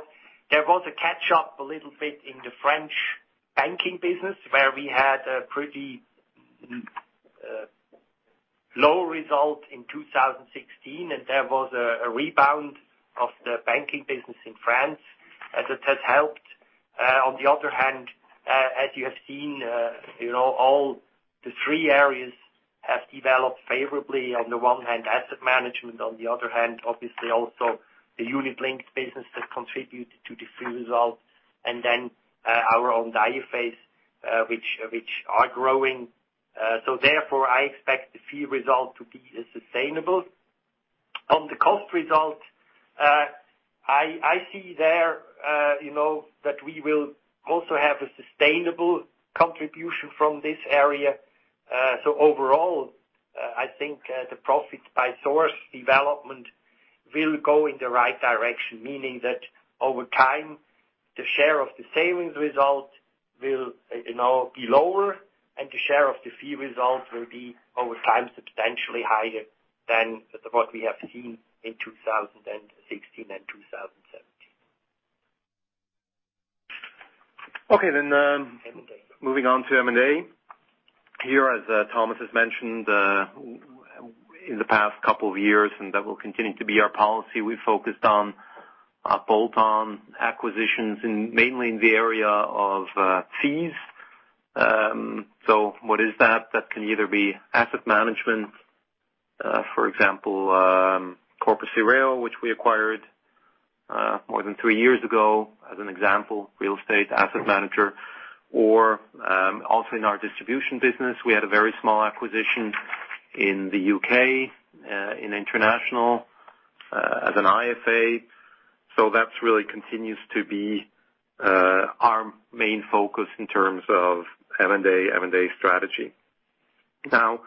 there was a catch-up a little bit in the French banking business, where we had a pretty low result in 2016, and there was a rebound of the banking business in France, as it has helped. On the other hand, as you have seen, all the three areas have developed favorably. On the one hand, asset management, on the other hand, obviously also the unit-linked business that contribute to the fee result, and then our own IFAs, which are growing. Therefore, I expect the fee result to be sustainable. On the cost result, I see there that we will also have a sustainable contribution from this area. Overall, I think the profit by source development will go in the right direction, meaning that over time, the share of the savings result will be lower, and the share of the fee result will be, over time, substantially higher than what we have seen in 2016 and 2017. Okay, moving on to M&A. Here, as Thomas has mentioned, in the past couple of years, and that will continue to be our policy, we focused on bolt-on acquisitions mainly in the area of fees. What is that? That can either be asset management, for example, CORPUS SIREO, which we acquired more than three years ago, as an example, real estate asset manager, or also in our distribution business. We had a very small acquisition in the U.K., in international, as an IFA. That really continues to be our main focus in terms of M&A strategy. Now,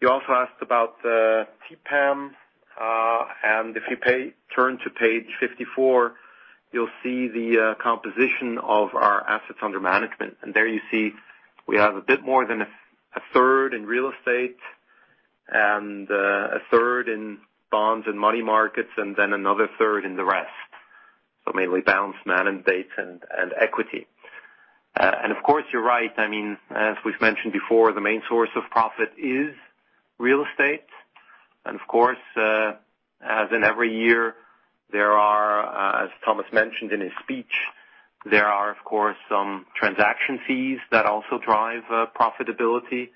you also asked about TPAM, and if you turn to page 54, you'll see the composition of our assets under management. There you see we have a bit more than a third in real estate and a third in bonds and money markets, another third in the rest. Mainly balanced mandate and equity. Of course, you're right. As we've mentioned before, the main source of profit is real estate. Of course, as in every year, as Thomas mentioned in his speech, there are, of course, some transaction fees that also drive profitability.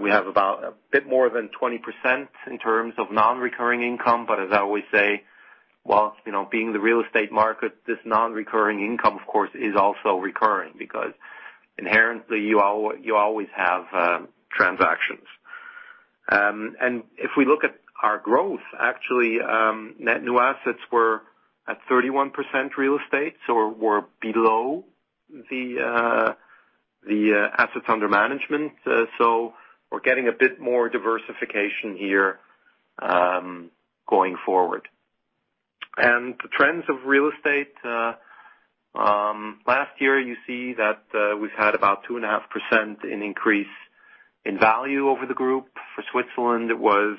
We have about a bit more than 20% in terms of non-recurring income. As I always say, whilst being the real estate market, this non-recurring income, of course, is also recurring because inherently you always have transactions. If we look at our growth, actually, net new assets were at 31% real estate, so were below the assets under management. We're getting a bit more diversification here going forward. The trends of real estate. Last year, you see that we've had about 2.5% in increase in value over the group. For Switzerland, it was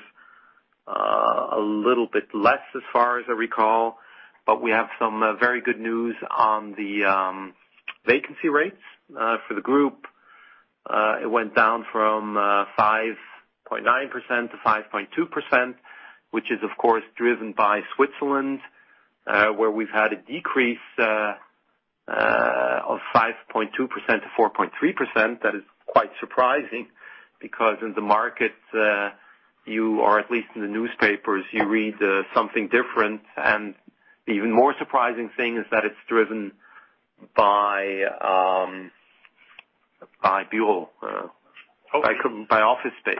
a little bit less, as far as I recall, but we have some very good news on the vacancy rates. For the group, it went down from 5.9% to 5.2%, which is, of course, driven by Switzerland, where we've had a decrease of 5.2% to 4.3%. That is quite surprising because in the market, or at least in the newspapers, you read something different, and the even more surprising thing is that it's driven by Büro, by office space.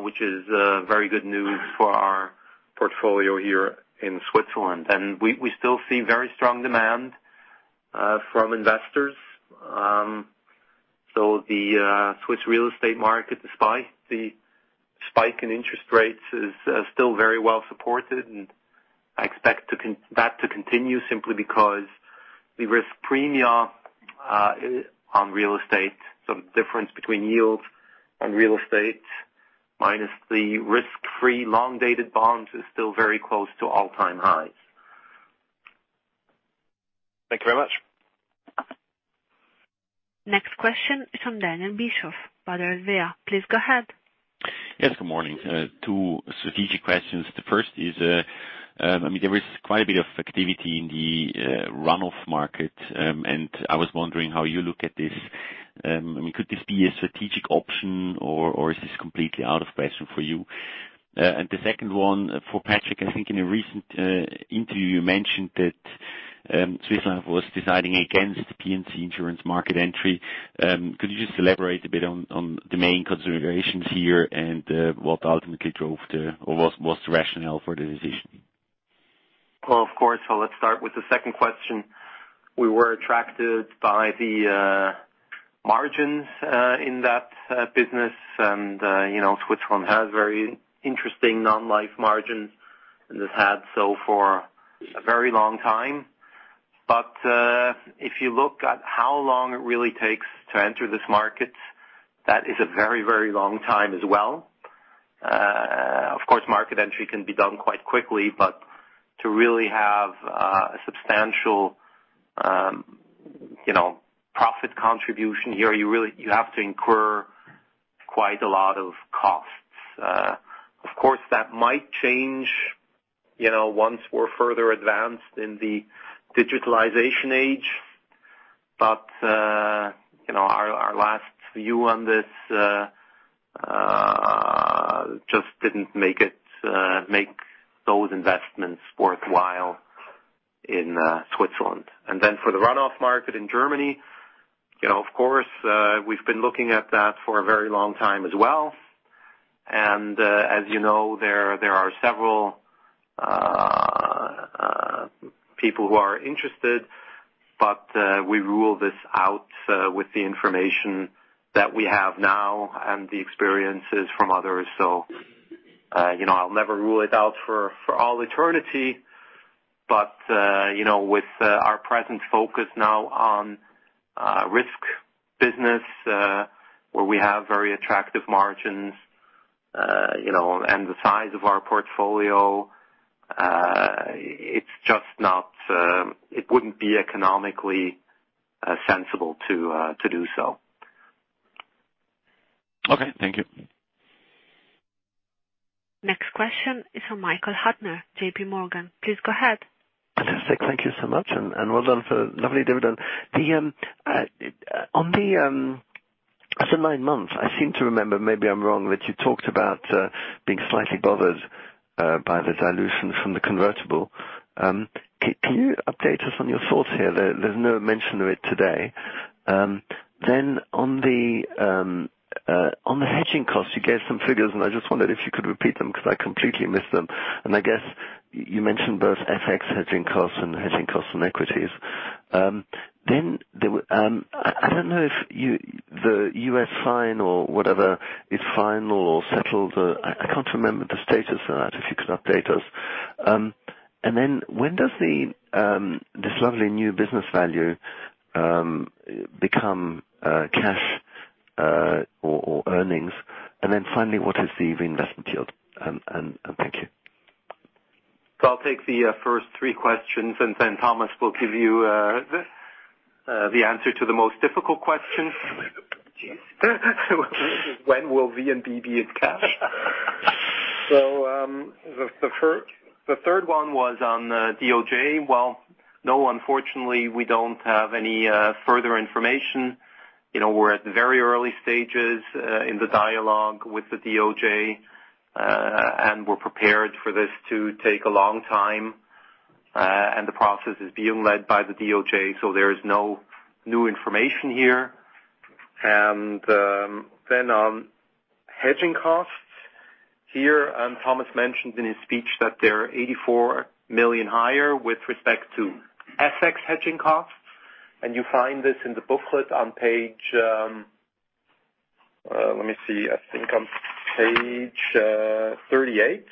Which is very good news for our portfolio here in Switzerland. We still see very strong demand from investors. The Swiss real estate market, despite the spike in interest rates, is still very well supported, and I expect that to continue simply because the risk premia on real estate, so the difference between yields and real estate minus the risk-free long-dated bonds, is still very close to all-time highs. Thank you very much. Next question is from Daniel Bischof, Baader Helvea. Please go ahead. Yes, good morning. Two strategic questions. The first is, there is quite a bit of activity in the runoff market, and I was wondering how you look at this. Could this be a strategic option, or is this completely out of question for you? The second one for Patrick, I think in a recent interview, you mentioned that Swiss Life was deciding against the P&C insurance market entry. Could you just elaborate a bit on the main considerations here and what's the rationale for the decision? Well, of course. Let's start with the second question. We were attracted by the margins in that business. Switzerland has very interesting non-life margins and has had so for a very long time. If you look at how long it really takes to enter this market, that is a very, very long time as well. Of course, market entry can be done quite quickly, but to really have a substantial profit contribution here, you have to incur quite a lot of costs. Of course, that might change once we're further advanced in the digitalization age. Our last view on this, just didn't make those investments worthwhile in Switzerland. For the runoff market in Germany, of course, we've been looking at that for a very long time as well. As you know, there are several people who are interested. We rule this out with the information that we have now and the experiences from others. I'll never rule it out for all eternity. With our present focus now on risk business, where we have very attractive margins, and the size of our portfolio, it wouldn't be economically sensible to do so. Okay. Thank you. Next question is from Michael Huttner, J.P. Morgan. Please go ahead. Fantastic. Thank you so much, and well done for lovely dividend. At the nine months, I seem to remember, maybe I am wrong, that you talked about being slightly bothered by the dilution from the convertible. Can you update us on your thoughts here? There is no mention of it today. On the hedging costs, you gave some figures and I just wondered if you could repeat them because I completely missed them. I guess you mentioned both FX hedging costs and hedging costs on equities. I do not know if the U.S. fine or whatever is final or settled. I cannot remember the status of that, if you could update us. When does this lovely new business value become cash or earnings? Finally, what is the reinvestment yield? Thank you. I will take the first three questions and then Thomas will give you the answer to the most difficult question. Geez. When will VNB be in cash? The third one was on DOJ. No, unfortunately, we do not have any further information. We are at very early stages in the dialogue with the DOJ. We are prepared for this to take a long time. The process is being led by the DOJ, so there is no new information here. On hedging costs, here, Thomas mentioned in his speech that they are 84 million higher with respect to FX hedging costs. You find this in the booklet on page, let me see. I think on page 38.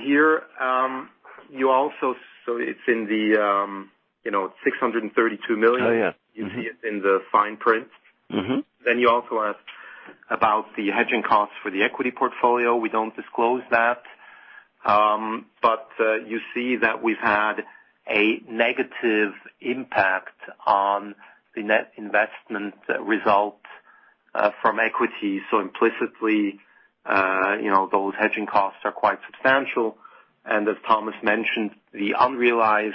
Here, it is in the 632 million. Oh, yeah. Mm-hmm. You see it in the fine print. You also asked about the hedging costs for the equity portfolio. We don't disclose that. You see that we've had a negative impact on the net investment result from equity. Implicitly, those hedging costs are quite substantial. As Thomas mentioned, the unrealized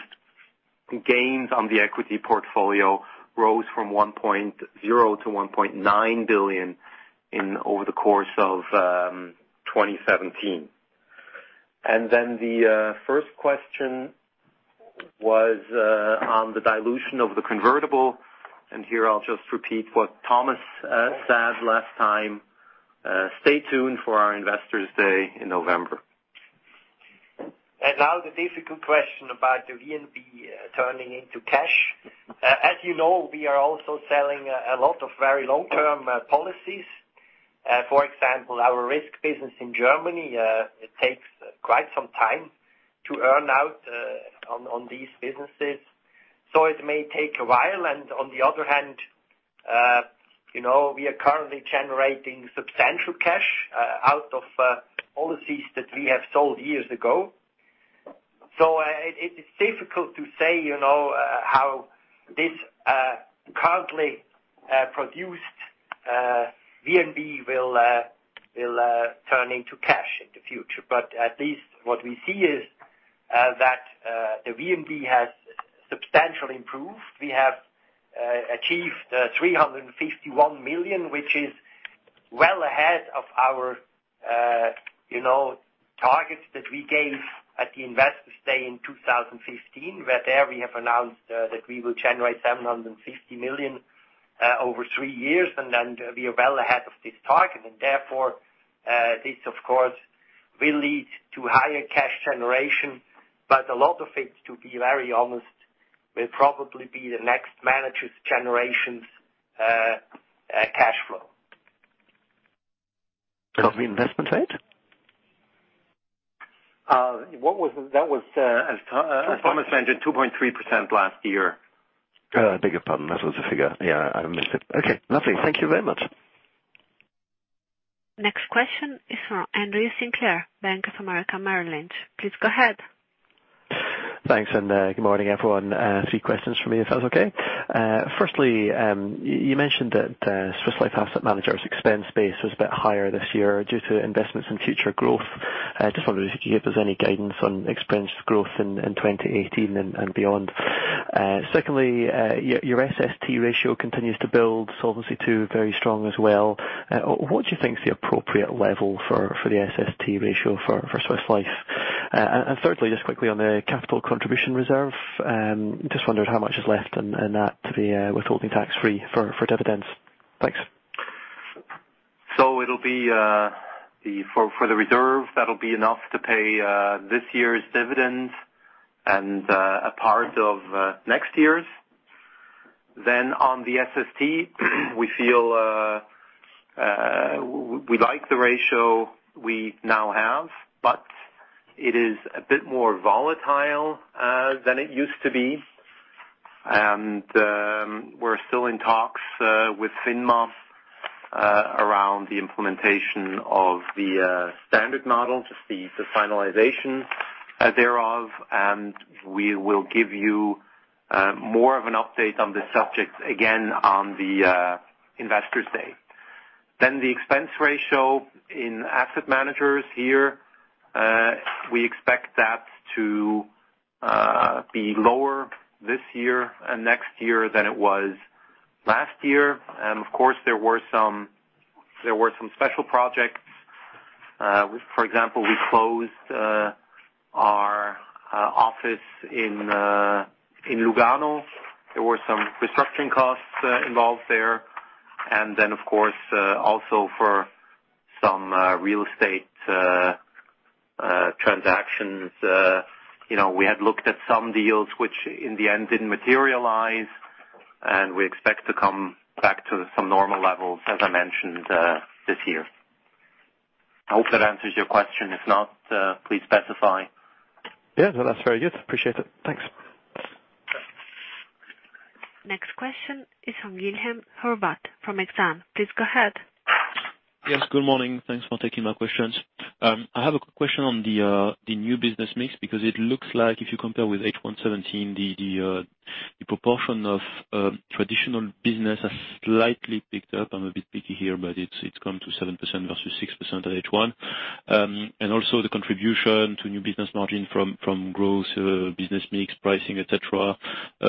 gains on the equity portfolio rose from 1.0 billion to 1.9 billion over the course of 2017. The first question was on the dilution of the convertible, here I'll just repeat what Thomas said last time. Stay tuned for our Investor Day in November. Now the difficult question about the VNB turning into cash. You know, we are also selling a lot of very long-term policies. For example, our risk business in Germany, it takes quite some time to earn out on these businesses. It may take a while. On the other hand, we are currently generating substantial cash out of policies that we have sold years ago. It is difficult to say how this currently produced VNB will turn into cash in the future. At least what we see is that the VNB has substantially improved. We have achieved 351 million, which is well ahead of our targets that we gave at the Investor Day in 2015, where there we have announced that we will generate 750 million over three years. We are well ahead of this target. Therefore, this of course- Will lead to higher cash generation, a lot of it, to be very honest, will probably be the next managers' generation's cash flow. Of the investment side? That was, as Thomas mentioned, 2.3% last year. I beg your pardon. That was the figure. Yeah, I missed it. Okay, lovely. Thank you very much. Next question is from Andrew Sinclair, Bank of America Merrill Lynch. Please go ahead. Thanks. Good morning, everyone. Three questions from me, if that's okay. Firstly, you mentioned that Swiss Life Asset Managers' expense base was a bit higher this year due to investments in future growth. I just wondered if you could give us any guidance on expense growth in 2018 and beyond. Secondly, your SST ratio continues to build Solvency II. Very strong as well. What do you think is the appropriate level for the SST ratio for Swiss Life? Thirdly, just quickly on the capital contribution reserve, just wondered how much is left in that to be withholding tax-free for dividends. Thanks. For the reserve, that'll be enough to pay this year's dividends and a part of next year's. On the SST, we like the ratio we now have, but it is a bit more volatile than it used to be. We're still in talks with FINMA around the implementation of the standard model, just the finalization thereof. We will give you more of an update on this subject again on the Investor Day. The expense ratio in Asset Managers here, we expect that to be lower this year and next year than it was last year. Of course, there were some special projects. For example, we closed our office in Lugano. There were some restructuring costs involved there. Of course, also for some real estate transactions. We had looked at some deals, which in the end didn't materialize, and we expect to come back to some normal levels, as I mentioned, this year. I hope that answers your question. If not, please specify. Yeah. No, that's very good. Appreciate it. Thanks. Next question is from Guilhem Horvath from Exane. Please go ahead. Yes, good morning. Thanks for taking my questions. I have a quick question on the new business mix, because it looks like if you compare with H1 2017, the proportion of traditional business has slightly picked up. I am a bit picky here, but it has come to 7% versus 6% at H1. Also, the contribution to new business margin from growth, business mix pricing, et cetera,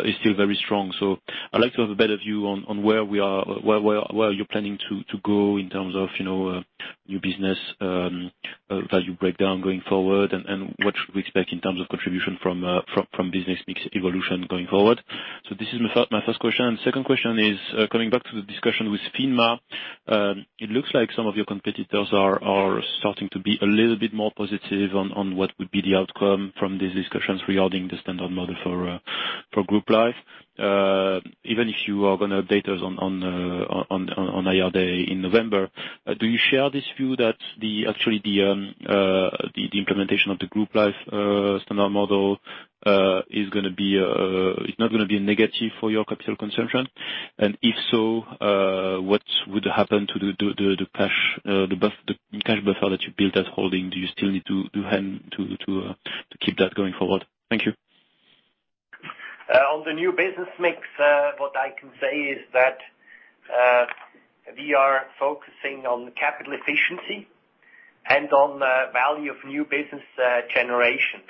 is still very strong. I would like to have a better view on where you are planning to go in terms of new business value breakdown going forward, and what should we expect in terms of contribution from business mix evolution going forward? This is my first question. Second question is, coming back to the discussion with FINMA. It looks like some of your competitors are starting to be a little bit more positive on what would be the outcome from these discussions regarding the standard model for group life. Even if you are going to update us on Investor Day in November, do you share this view that actually the implementation of the group life standard model is not going to be a negative for your capital consumption? If so, what would happen to the cash buffer that you built at holding? Do you still need to keep that going forward? Thank you. On the new business mix, what I can say is that we are focusing on capital efficiency and on the value of new business generation.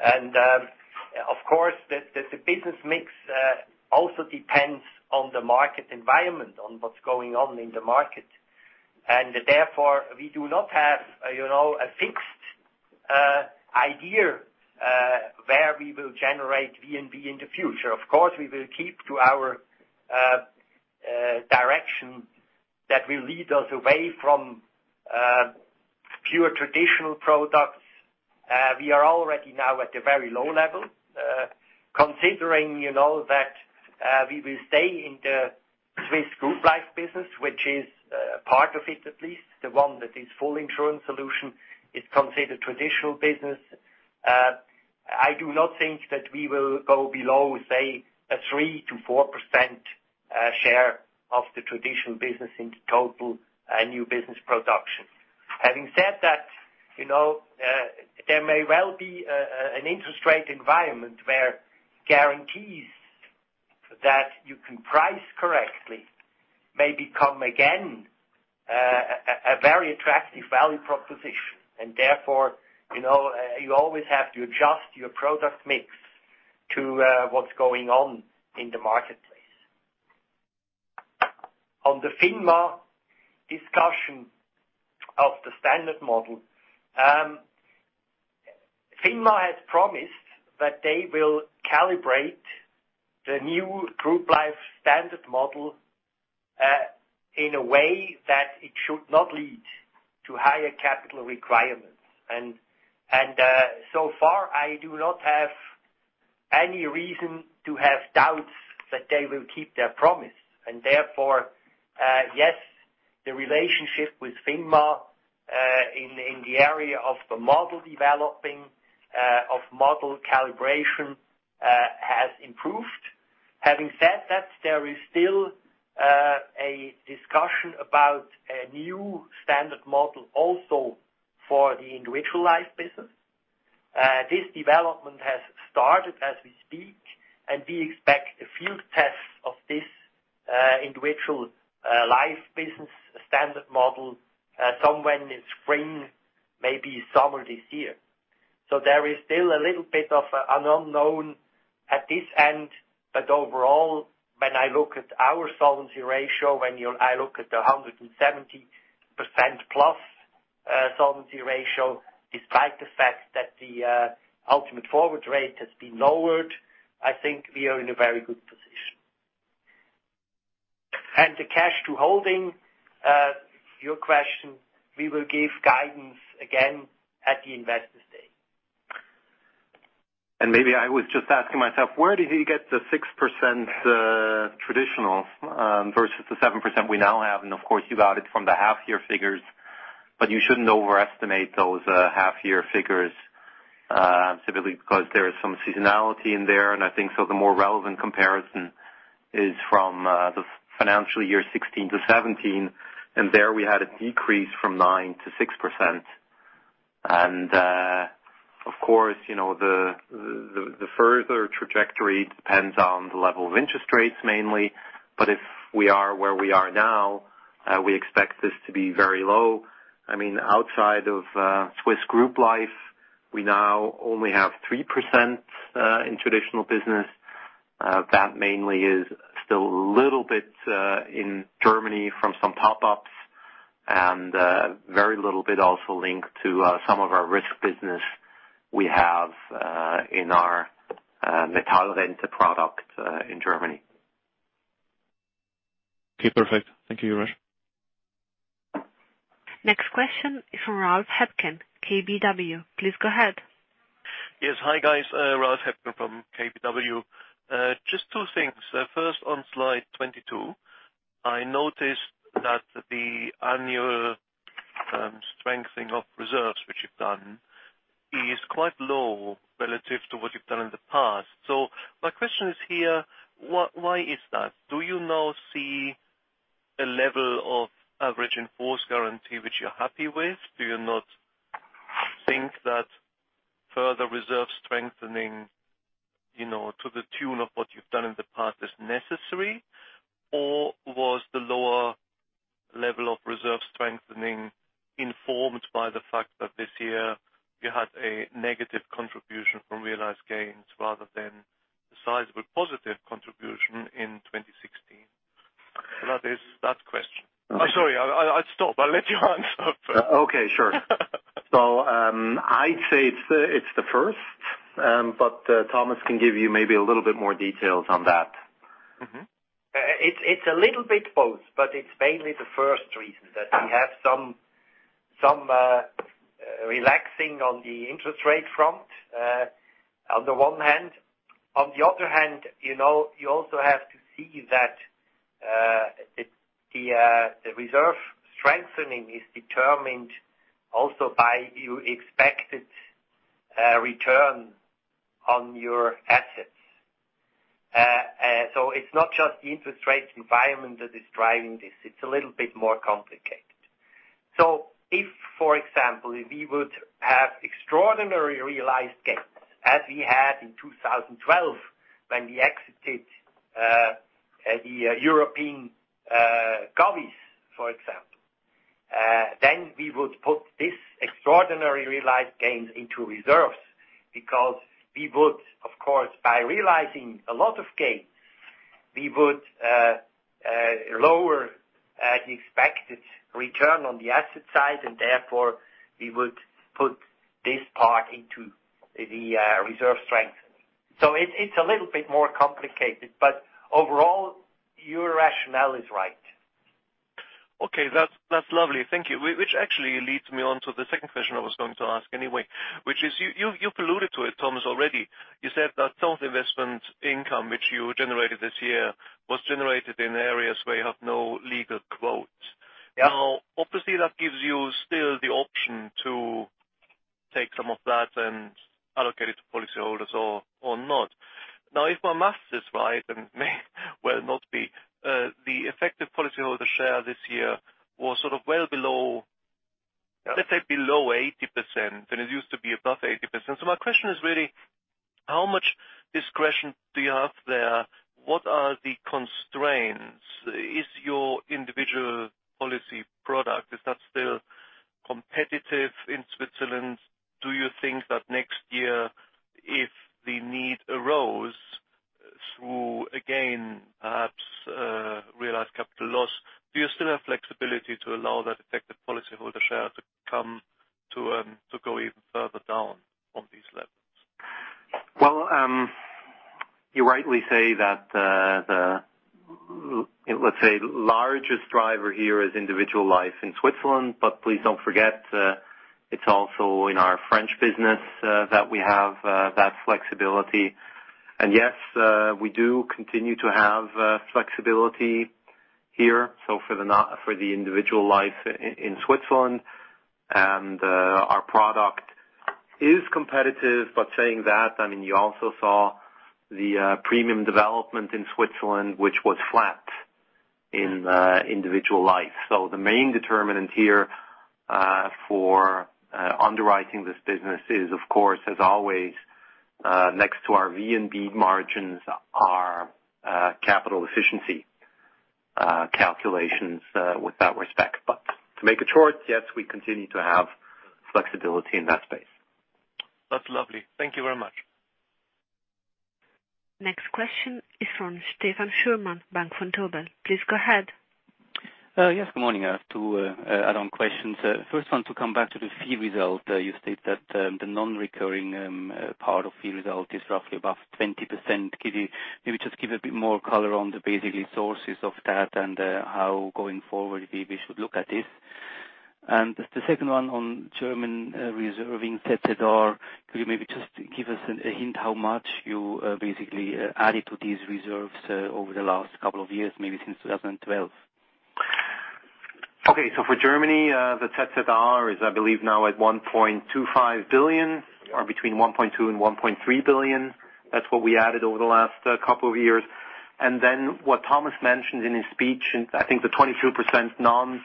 Of course, the business mix also depends on the market environment, on what is going on in the market. Therefore, we do not have a fixed idea where we will generate VNB in the future. Of course, we will keep to our direction that will lead us away from pure traditional products. We are already now at a very low level. Considering that we will stay in the Swiss group life business, which is a part of it, at least, the one that is full insurance solution is considered traditional business. I do not think that we will go below, say, a 3%-4% share of the traditional business in the total new business production. Having said that, there may well be an interest rate environment where guarantees that you can price correctly may become, again, a very attractive value proposition. Therefore, you always have to adjust your product mix to what's going on in the marketplace. On the FINMA discussion of the standard model. FINMA has promised that they will calibrate the new group life standard model, in a way that it should not lead to higher capital requirements. So far, I do not have any reason to have doubts that they will keep their promise. Therefore, yes, the relationship with FINMA, in the area of the model developing, of model calibration, has improved. Having said that, there is still a discussion about a new standard model also for the individual life business. This development has started as we speak, and we expect a field test of this individual life business standard model somewhere in spring, maybe summer this year. There is still a little bit of an unknown at this end. Overall, when I look at our solvency ratio, when I look at the 170%-plus solvency ratio, despite the fact that the ultimate forward rate has been lowered, I think we are in a very good position. The cash to holding, your question, we will give guidance again at the Investor Day. Maybe I was just asking myself, where did he get the 6%, traditional, versus the 7% we now have? Of course, you got it from the half year figures, you shouldn't overestimate those half year figures, simply because there is some seasonality in there. I think the more relevant comparison is from the financial year 2016 to 2017, there we had a decrease from 9% to 6%. Of course, the further trajectory depends on the level of interest rates mainly. If we are where we are now, we expect this to be very low. Outside of Swiss group life, we now only have 3%, in traditional business. That mainly is still a little bit, in Germany from some top-ups and very little bit also linked to some of our risk business we have in our MetallRente product in Germany. Okay, perfect. Thank you, Urs. Next question from Ralph Hebgen, KBW. Please go ahead. Yes. Hi, guys. Ralph Hepken from KBW. Just two things. First, on slide 22, I noticed that the annual strengthening of reserves, which you've done, is quite low relative to what you've done in the past. My question is here, why is that? Do you now see a level of average in-force guarantee which you are happy with? Do you not think that further reserve strengthening to the tune of what you've done in the past is necessary? Or was the lower level of reserve strengthening informed by the fact that this year you had a negative contribution from realized gains rather than the sizable positive contribution in 2016? That is that question. I am sorry. I will stop. I will let you answer first. Okay, sure. I'd say it is the first, but Thomas can give you maybe a little bit more details on that. It's a little bit both, but it's mainly the first reason that we have some relaxing on the interest rate front, on the one hand. You also have to see that the reserve strengthening is determined also by your expected return on your assets. It's not just the interest rate environment that is driving this, it's a little bit more complicated. If, for example, if we would have extraordinary realized gains as we had in 2012 when we exited the European govies, for example. We would put this extraordinary realized gains into reserves because we would, of course, by realizing a lot of gains, we would lower the expected return on the asset side, and therefore we would put this part into the reserve strengthening. It's a little bit more complicated. Overall, your rationale is right. Okay. That's lovely. Thank you. Actually leads me on to the second question I was going to ask anyway, which is, you've alluded to it, Thomas, already. You said that self-investment income, which you generated this year, was generated in areas where you have no legal quota. Yeah. Obviously, that gives you still the option to take some of that and allocate it to policyholders or not. If my maths is right, and may well not be, the effective policyholder share this year was sort of well below- Yeah. Let's say below 80%, and it used to be above 80%. My question is really, how much discretion do you have there? What are the constraints? Is your individual policy product, is that still competitive in Switzerland? Do you think that next year, if the need arose through, again, realized capital loss. Do you still have flexibility to allow that effective policyholder share to go even further down on these levels? Well, you rightly say that the, let's say, largest driver here is individual life in Switzerland, but please don't forget, it is also in our French business that we have that flexibility. Yes, we do continue to have flexibility here. For the individual life in Switzerland, and our product is competitive. Saying that, you also saw the premium development in Switzerland, which was flat in individual life. The main determinant here, for underwriting this business is, of course, as always, next to our VNB margins are capital efficiency calculations with that respect. To make it short, yes, we continue to have flexibility in that space. That is lovely. Thank you very much. Next question is from Stefan Schürmann, Bank Vontobel. Please go ahead. Yes, good morning. I have two add-on questions. First one to come back to the fee result. You state that the non-recurring part of fee result is roughly above 20%. Maybe just give a bit more color on the basically sources of that and how going forward we should look at this. The second one on German reserving ZZR. Could you maybe just give us a hint how much you basically added to these reserves over the last couple of years, maybe since 2012? Okay. For Germany, the ZZR is, I believe, now at 1.25 billion or between 1.2 billion and 1.3 billion. That's what we added over the last couple of years. What Thomas mentioned in his speech, I think the 22% non-recurring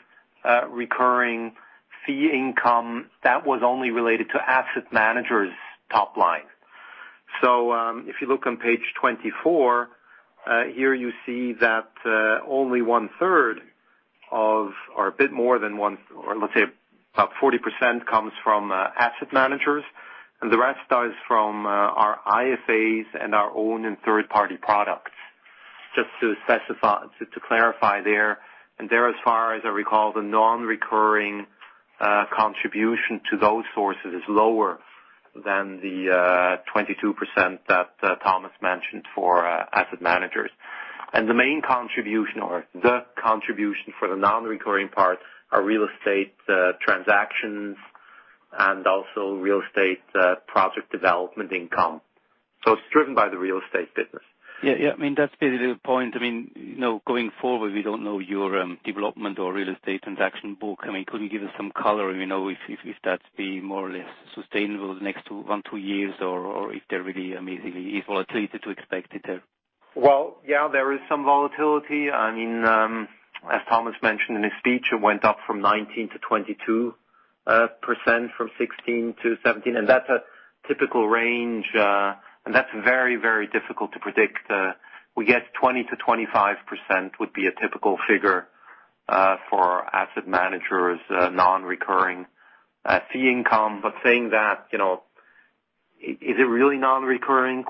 fee income, that was only related to asset managers' top line. If you look on page 24, here you see that only one-third of, or a bit more than one, or let's say about 40% comes from asset managers, and the rest is from our IFAs and our own and third-party products. Just to clarify there. There, as far as I recall, the non-recurring contribution to those sources is lower than the 24% that Thomas mentioned for asset managers. The main contribution or the contribution for the non-recurring part are real estate transactions and also real estate project development income. It's driven by the real estate business. That's basically the point. Going forward, we don't know your development or real estate transaction book. Could you give us some color, if that's been more or less sustainable the next one, two years or if there's really easy volatility to expect it there? Well, there is some volatility. As Thomas mentioned in his speech, it went up from 19%-22%, from 16%-17%, and that's a typical range. That's very difficult to predict. We get 20%-25% would be a typical figure for asset managers non-recurring fee income. Saying that, is it really non-recurring?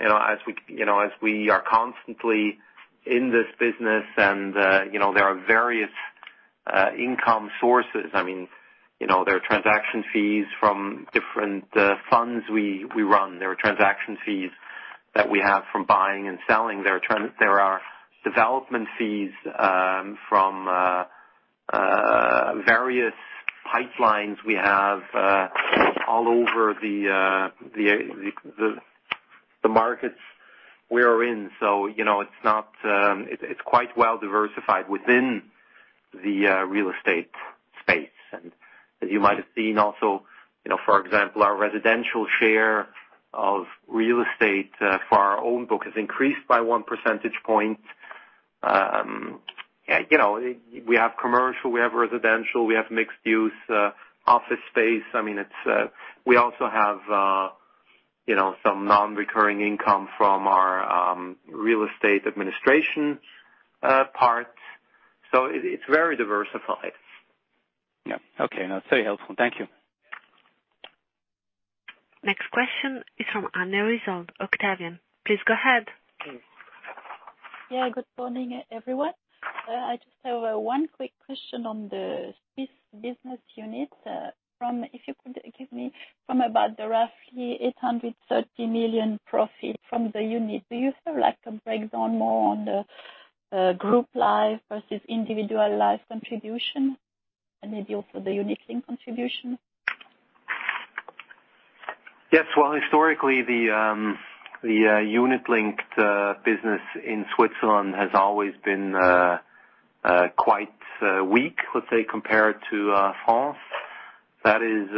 As we are constantly in this business and there are various income sources. There are transaction fees from different funds we run. There are transaction fees that we have from buying and selling. There are development fees from various pipelines we have all over the markets we are in. It's quite well diversified within the real estate space. As you might have seen also, for example, our residential share of real estate for our own book has increased by one percentage point. We have commercial, we have residential, we have mixed use, office space. We also have some non-recurring income from our real estate administration part. It's very diversified. Yeah. Okay. No, it's very helpful. Thank you. Next question is from Anne Risold, Octavian. Please go ahead. Yeah, good morning, everyone. I just have one quick question on the Swiss business unit. If you could give me from about the roughly 830 million profit from the unit. Do you have a breakdown more on the group life versus individual life contribution? Maybe also the unit link contribution? Well, historically, the unit-linked business in Switzerland has always been quite weak, let's say, compared to France. That is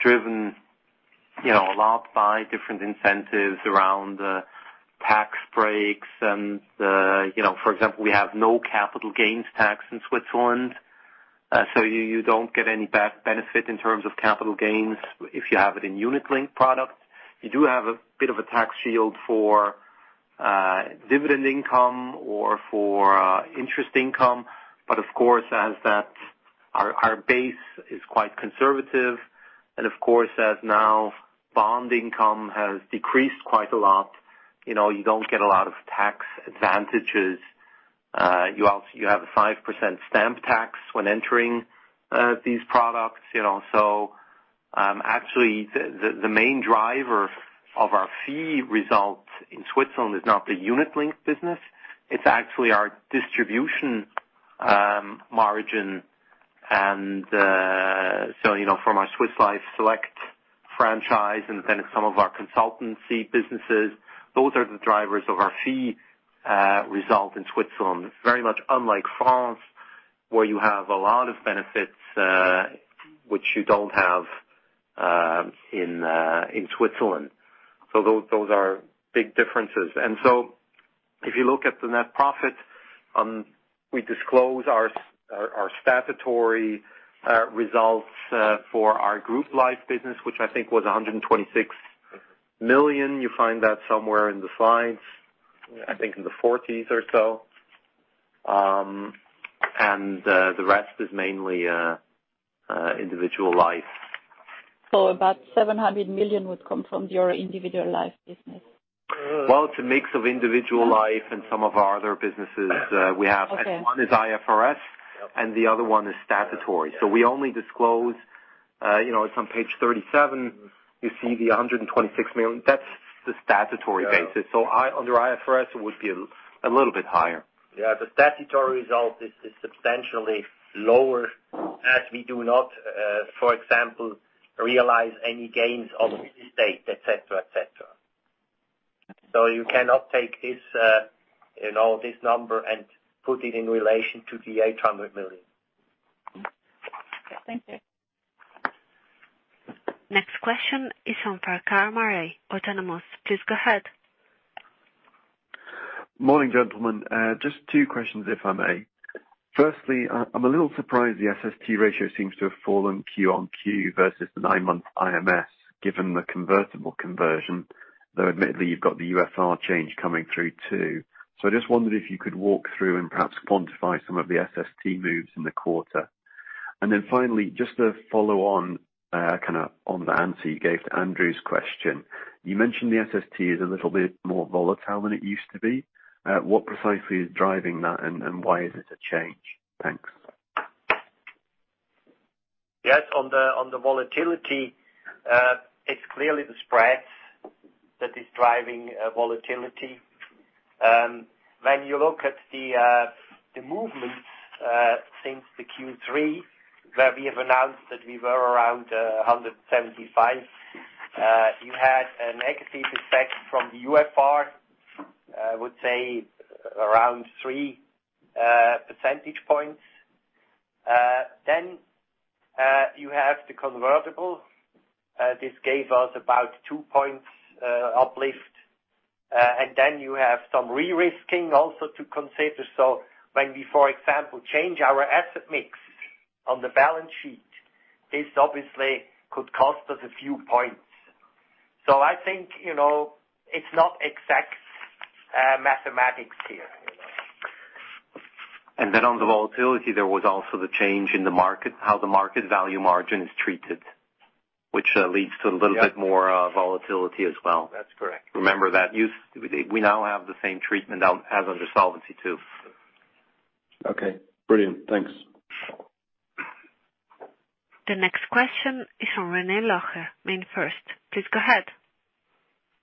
driven a lot by different incentives around tax breaks and, for example, we have no capital gains tax in Switzerland. You don't get any benefit in terms of capital gains if you have it in unit-linked products. You do have a bit of a tax shield for dividend income or for interest income. Of course, as that Our base is quite conservative. Of course, as now bond income has decreased quite a lot, you don't get a lot of tax advantages. You have a 5% stamp tax when entering these products. Actually, the main driver of our fee results in Switzerland is not the unit-linked business. It's actually our distribution margin. From our Swiss Life Select franchise, then some of our consultancy businesses, those are the drivers of our fee result in Switzerland. Very much unlike France, where you have a lot of benefits, which you don't have in Switzerland. Those are big differences. If you look at the net profit, we disclose our statutory results for our group life business, which I think was 126 million. You find that somewhere in the slides, I think in the 40s or so. The rest is mainly individual life. About 700 million would come from your individual life business? Well, it's a mix of individual life and some of our other businesses we have. Okay. One is IFRS, and the other one is statutory. It's on page 37. You see the 126 million. That's the statutory basis. Under IFRS, it would be a little bit higher. The statutory result is substantially lower as we do not, for example, realize any gains on real estate, et cetera. You cannot take this number and put it in relation to the 800 million. Thank you. Next question is from Farquhar Murray, Autonomous. Please go ahead. Morning, gentlemen. Just two questions, if I may. Firstly, I'm a little surprised the SST ratio seems to have fallen Q-on-Q versus the nine-month IMS, given the convertible conversion, though admittedly, you've got the UFR change coming through, too. I just wondered if you could walk through and perhaps quantify some of the SST moves in the quarter. Finally, just to follow on the answer you gave to Andrew's question. You mentioned the SST is a little bit more volatile than it used to be. What precisely is driving that, and why is it a change? Thanks. Yes, on the volatility, it's clearly the spreads that is driving volatility. When you look at the movements since the Q3, where we have announced that we were around 175. You had a negative effect from the UFR, I would say around three percentage points. You have the convertible. This gave us about two points uplift. You have some re-risking also to consider. When we, for example, change our asset mix on the balance sheet, this obviously could cost us a few points. I think it's not exact mathematics here. On the volatility, there was also the change in the market, how the market value margin is treated, which leads to a little bit more volatility as well. That's correct. Remember that we now have the same treatment as under Solvency II. Okay, brilliant. Thanks. The next question is from René Locher, MainFirst. Please go ahead.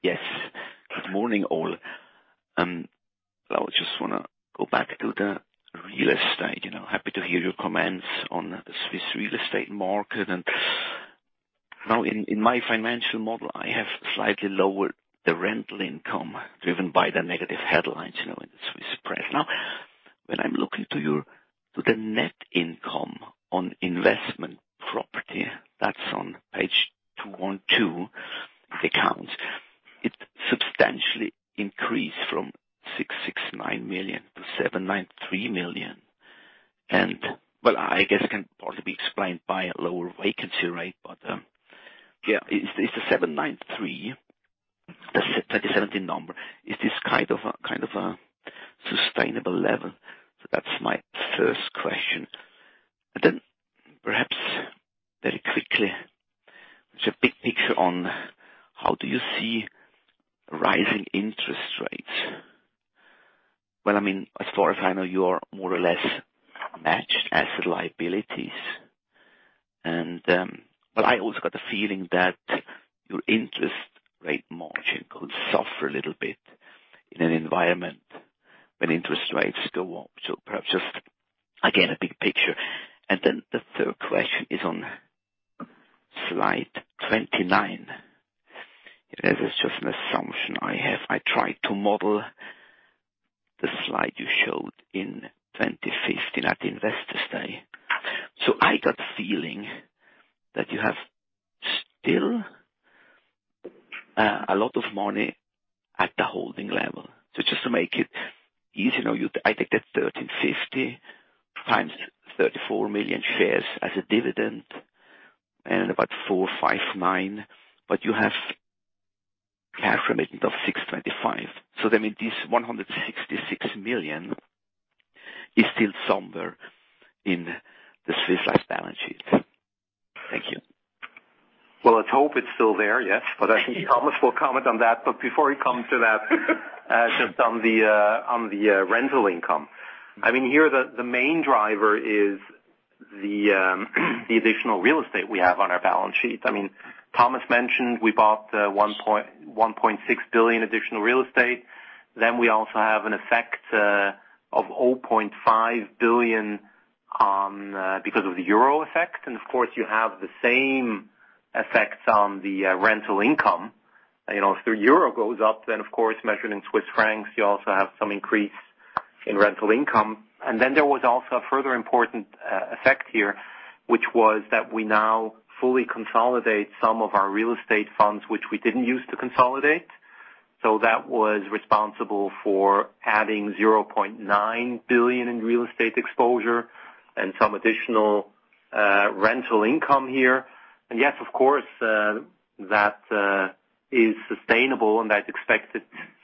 Yes. Good morning, all. I just want to go back to the real estate. Happy to hear your comments on Swiss real estate market. Now in my financial model, I have slightly lowered the rental income driven by the negative headlines in the Swiss press. Now, when I'm looking to the net income on investment property, that's on page 212, the count, it substantially increased from 669 million to 793 million. Well, I guess it can partly be explained by a lower vacancy rate. Yeah is the 793, the 2017 number, is this kind of a sustainable level? That's my first question. Perhaps very quickly, just big picture on how do you see rising interest rates? As far as I know, you are more or less matched asset liabilities. I always got the feeling that your interest rate margin could suffer a little bit in an environment when interest rates go up. Perhaps just, again, a big picture. The third question is on slide 29. This is just an assumption I have. I tried to model the slide you showed in 2015 at the Investor Day. I got the feeling that you have still a lot of money at the holding level. Just to make it easy, I take that 1,350 times 34 million shares as a dividend and about 459. You have Cash remittent of 625. That means this 166 million is still somewhere in the Swiss Life balance sheet. Thank you. Let's hope it's still there, yes. I think Thomas will comment on that. Before we come to that, just on the rental income. Here, the main driver is the additional real estate we have on our balance sheet. Thomas mentioned we bought 1.6 billion additional real estate. We also have an effect of 0.5 billion because of the EUR effect. Of course, you have the same effects on the rental income. If the EUR goes up, then of course, measured in CHF, you also have some increase in rental income. There was also a further important effect here, which was that we now fully consolidate some of our real estate funds, which we didn't use to consolidate. That was responsible for adding 0.9 billion in real estate exposure and some additional rental income here. Yes, of course, that is sustainable. I'd expect it.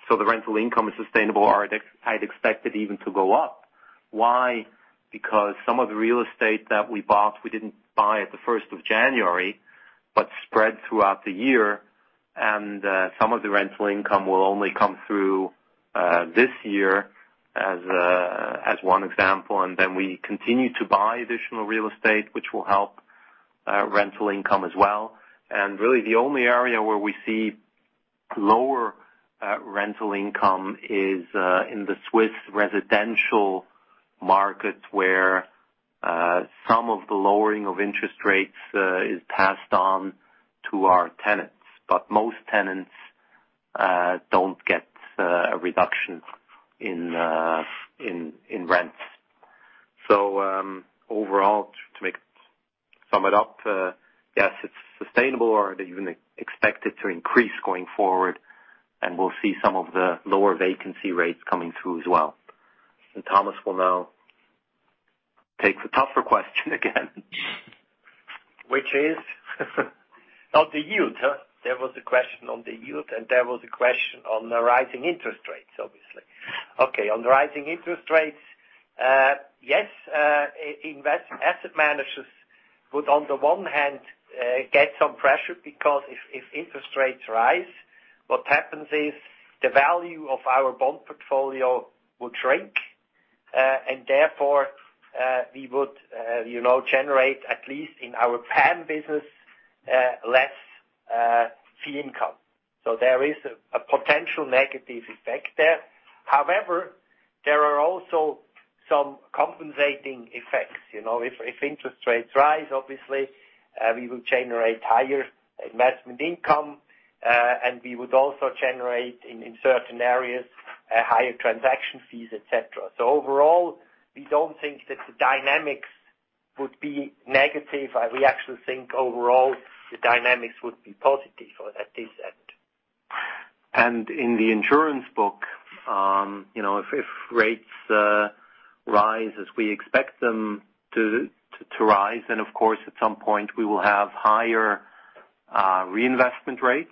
So the rental income is sustainable or I'd expect it even to go up. Why? Because some of the real estate that we bought, we didn't buy at the 1st of January, but spread throughout the year. Some of the rental income will only come through this year as one example. Then we continue to buy additional real estate, which will help rental income as well. Really the only area where we see lower rental income is in the Swiss residential market, where some of the lowering of interest rates is passed on to our tenants. Most tenants don't get a reduction in rents. Overall, to sum it up, yes, it's sustainable or even expected to increase going forward. We'll see some of the lower vacancy rates coming through as well. Thomas will now take the tougher question again. Which is? On the yield, huh? There was a question on the yield, there was a question on the rising interest rates, obviously. On the rising interest rates. Asset managers would, on the one hand, get some pressure, because if interest rates rise, what happens is the value of our bond portfolio would shrink. Therefore, we would generate, at least in our PAM business, less fee income. There is a potential negative effect there. However, there are also some compensating effects. If interest rates rise, obviously, we will generate higher investment income, and we would also generate, in certain areas, higher transaction fees, et cetera. Overall, we don't think that the dynamics would be negative. We actually think overall, the dynamics would be positive at this end. In the insurance book, if rates rise as we expect them to rise, of course, at some point, we will have higher reinvestment rates,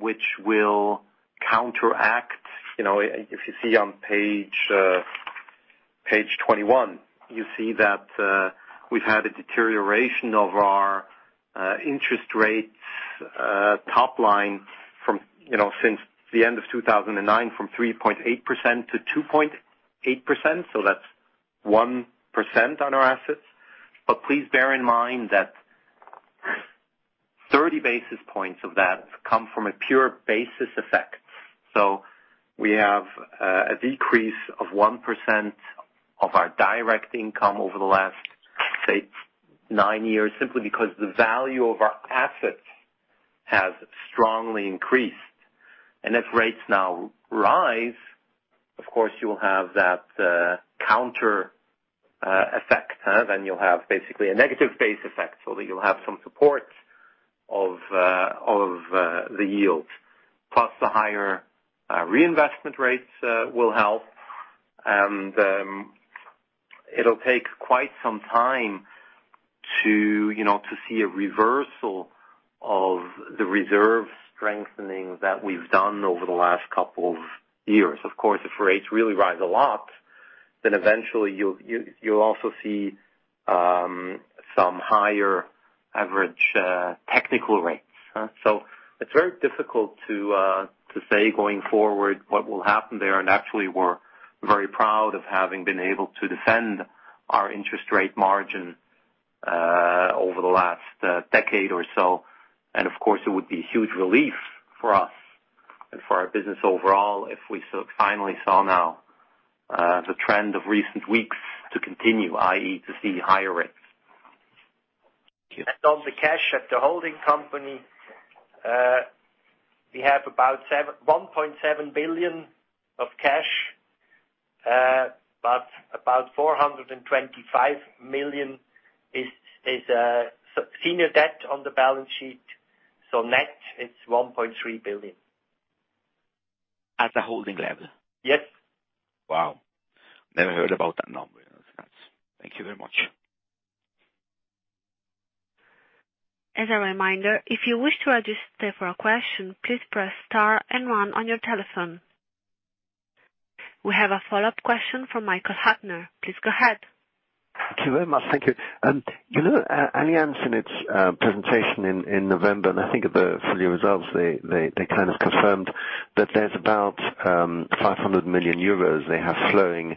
which will counteract. If you see on page 21, you see that we've had a deterioration of our interest rates top line since the end of 2009, from 3.8%-2.8%. That's 1% on our assets. Please bear in mind that 30 basis points of that come from a pure basis effect. We have a decrease of 1% of our direct income over the last, say, nine years, simply because the value of our assets has strongly increased. If rates now rise, of course, you will have that counter effect. You'll have basically a negative base effect, that you'll have some support of the yield. The higher reinvestment rates will help, and it'll take quite some time to see a reversal of the reserve strengthening that we've done over the last couple of years. Of course, if rates really rise a lot, eventually you'll also see some higher average technical rates. It's very difficult to say going forward what will happen there. Actually, we're very proud of having been able to defend our interest rate margin over the last decade or so. Of course, it would be a huge relief for us and for our business overall if we finally saw now the trend of recent weeks to continue, i.e., to see higher rates. On the cash at the holding company, we have about 1.7 billion of cash, but about 425 million is senior debt on the balance sheet. Net, it's 1.3 billion. The holding level? Yes. Wow. Never heard about that number. Thank you very much. As a reminder, if you wish to register for a question, please press star and one on your telephone. We have a follow-up question from Michael Huttner. Please go ahead. Thank you very much. Thank you. You know, Allianz, in its presentation in November, and I think of the full year results, they kind of confirmed that there's about €500 million they have flowing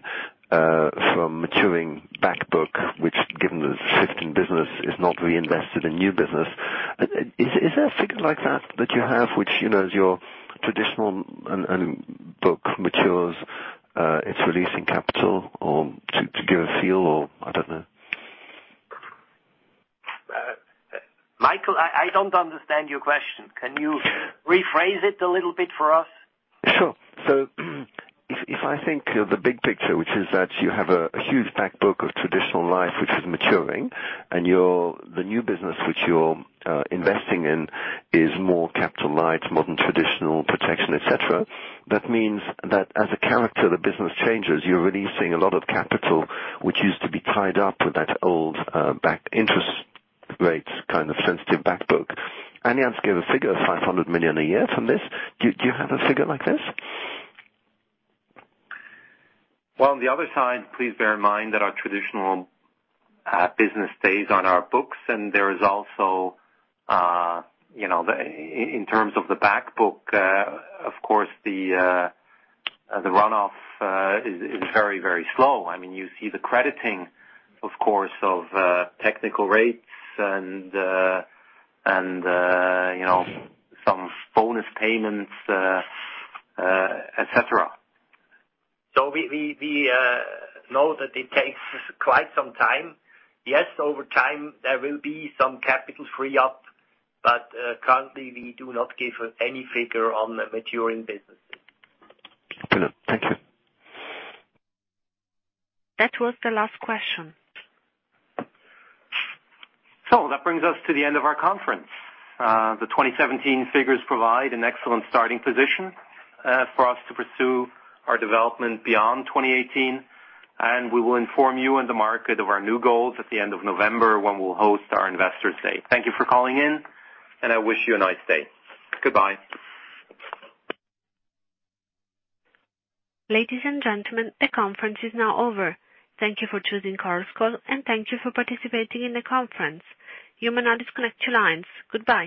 from maturing back book, which given the shifting business, is not reinvested in new business. Is there a figure like that that you have, which as your traditional book matures, it's releasing capital or to give a feel or I don't know. Michael, I don't understand your question. Can you rephrase it a little bit for us? Sure. If I think of the big picture, which is that you have a huge back book of traditional life, which is maturing, and the new business which you're investing in is more capital light, modern, traditional protection, et cetera. That means that as a character, the business changes. You're releasing a lot of capital, which used to be tied up with that old back interest rates, kind of sensitive back book. Allianz gave a figure of 500 million a year from this. Do you have a figure like this? On the other side, please bear in mind that our traditional business stays on our books. There is also, in terms of the back book, of course, the runoff is very, very slow. You see the crediting, of course, of technical rates and some bonus payments, et cetera. We know that it takes quite some time. Yes, over time, there will be some capital free up, currently, we do not give any figure on maturing businesses. Brilliant. Thank you. That was the last question. That brings us to the end of our conference. The 2017 figures provide an excellent starting position for us to pursue our development beyond 2018. We will inform you in the market of our new goals at the end of November when we'll host our Investor Day. Thank you for calling in, and I wish you a nice day. Goodbye. Ladies and gentlemen, the conference is now over. Thank you for choosing Chorus Call, and thank you for participating in the conference. You may now disconnect your lines. Goodbye